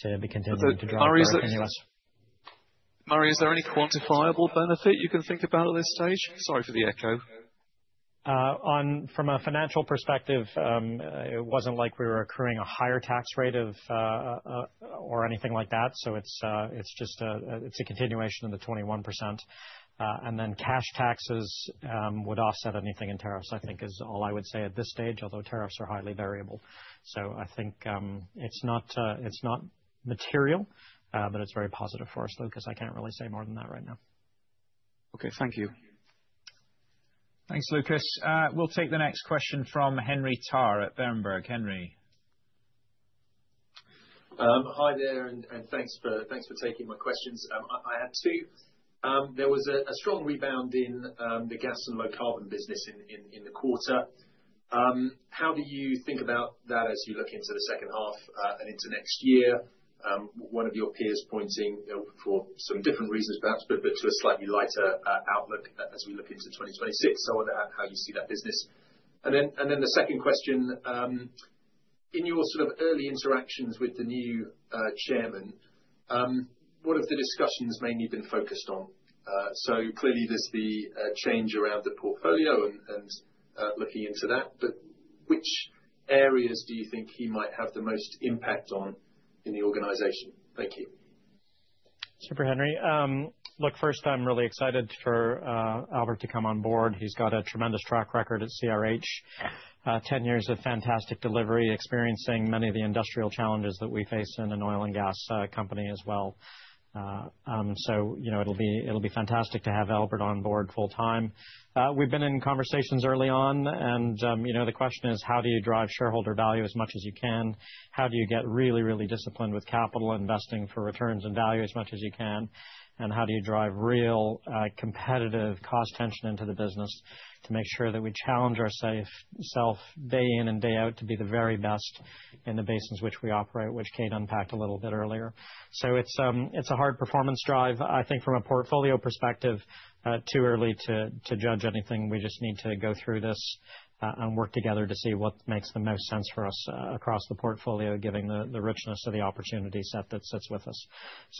to be continuing to drive in U.S. Murray, is there any quantifiable benefit you can think about at this stage? Sorry for the echo. From a financial perspective, it wasn't like we were accruing a higher tax rate or anything like that. It's just a continuation of the 21%. Cash taxes would offset anything in tariffs, I think, is all I would say at this stage. Although tariffs are highly variable, I think it's not material. It's very positive for us, Lucas. I can't really say more than that right now. Okay, thank you. Thanks, Lucas. We'll take the next question from Henry Tarr at Berenberg. Henry. Hi there and thanks for taking my questions. I had two. There was a strong. Rebound in the gas and low carbon. Business in the quarter. How do you think about that as you look into the second half and into next year? One of your peers pointing for some different reasons perhaps, but to a slightly lighter outlook as we look into 2026. How you see that business. The second question, in your sort of early interactions with the new Chairman, what have the discussions mainly been focused on? Clearly there's the change around the portfolio and looking into that. Which areas do you think he might have the most impact on in the organization? Thank you. Super, Henry. First, I'm really excited for Albert to come on board. He's got a tremendous track record at CRH, 10 years of fantastic delivery, experiencing many of the industrial challenges that we face in an oil and gas company as well. It'll be fantastic to have Albert on board full time. We've been in conversations early on and the question is how do you drive shareholder value as much as you can? How do you get really, really disciplined with capital investing for returns and value as much as you can? How do you drive real competitive cost tension into the business? Make sure that we challenge ourselves day in and day out to be the very best in the basins in which we operate, which Kate unpacked a little bit earlier. It's a hard performance drive. I think from a portfolio perspective, too early to judge anything. We just need to go through this and work together to see what makes the most sense for us across the portfolio, given the richness of the opportunity set that sits with us.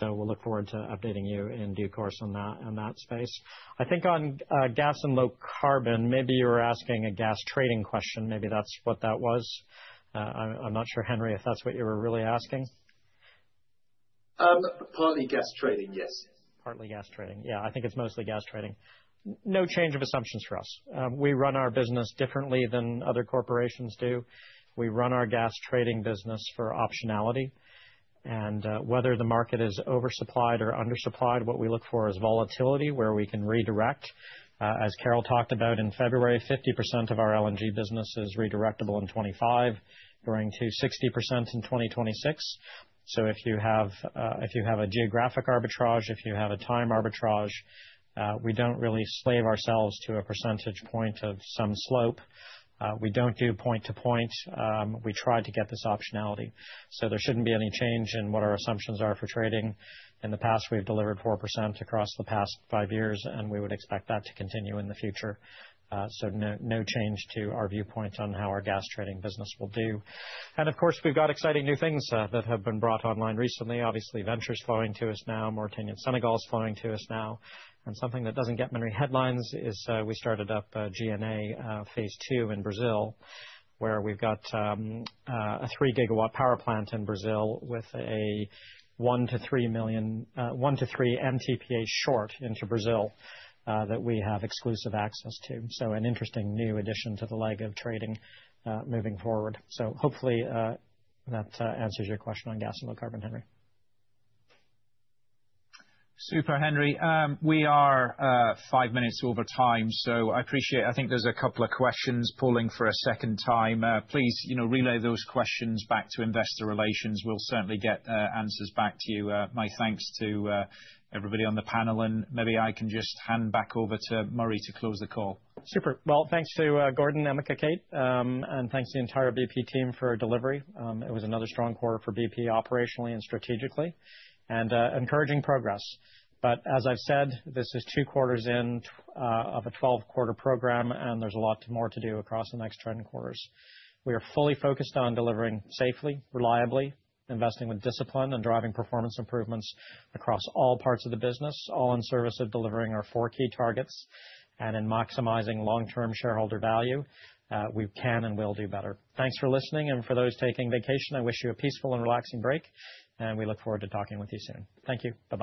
We'll look forward to updating you in due course on that space. I think on gas and low carbon, maybe you were asking a gas trading question. Maybe that's what that was. I'm not sure, Henry, if that's what you were really asking. Partly gas trading, yes. Partly gas trading. Yeah, I think it's mostly gas trading. No change of assumptions for us. We run our business differently than other corporations do. We run our gas trading business for optionality and whether the market is oversupplied or undersupplied. What we look for is volatility where we can redirect. As Carol talked about in February, 50% of our LNG business is redirectable in 2025, going to 60% in 2026. If you have a geographic arbitrage, if you have a time arbitrage, we don't really slave ourselves to a percentage point of some slope. We don't do point to point. We try to get this optionality. There shouldn't be any change in what our assumptions are for trading. In the past, we've delivered 4% across the past five years, and we would expect that to continue in the future. No change to our viewpoints on how our gas trading business will do. Of course, we've got exciting new things that have been brought online recently. Obviously, ventures flowing to us now, Mauritania, Senegal is flowing to us now. Something that doesn't get many headlines is we started up GNA Phase 2 in Brazil, where we've got a 3 GW power plant in Brazil with a 1 million-3 million, 1 milion-3 milion NCPA short into Brazil model that we have exclusive access to. An interesting new addition to the leg of trading moving forward. Hopefully, that answers your question on gasoline carbon. Henry. Super. Henry, we are five minutes over time, so I appreciate, I think there's a couple of questions pulling for a second time. Please, you know, relay those questions back to Investor Relations. We'll certainly get answers back to you. My thanks to everybody on the panel, and maybe I can just hand back over to Murray to close the call. Super well, thanks to Gordon, Emeka, Kate, and thanks the entire bp team for delivery. It was another strong quarter for bp operationally and strategically, and encouraging progress. As I've said, this is two quarters in of a 12 quarter program, and there's a lot more to do across the next trend quarters. We are fully focused on delivering safely, reliably investing with discipline, and driving performance improvements across all parts of the business, all in service of delivering our four key targets and in maximizing long term shareholder value. We can and will do better. Thanks for listening. For those taking vacation, I wish you a peaceful and relaxing break, and we look forward to talking with you soon. Thank you. Bye bye.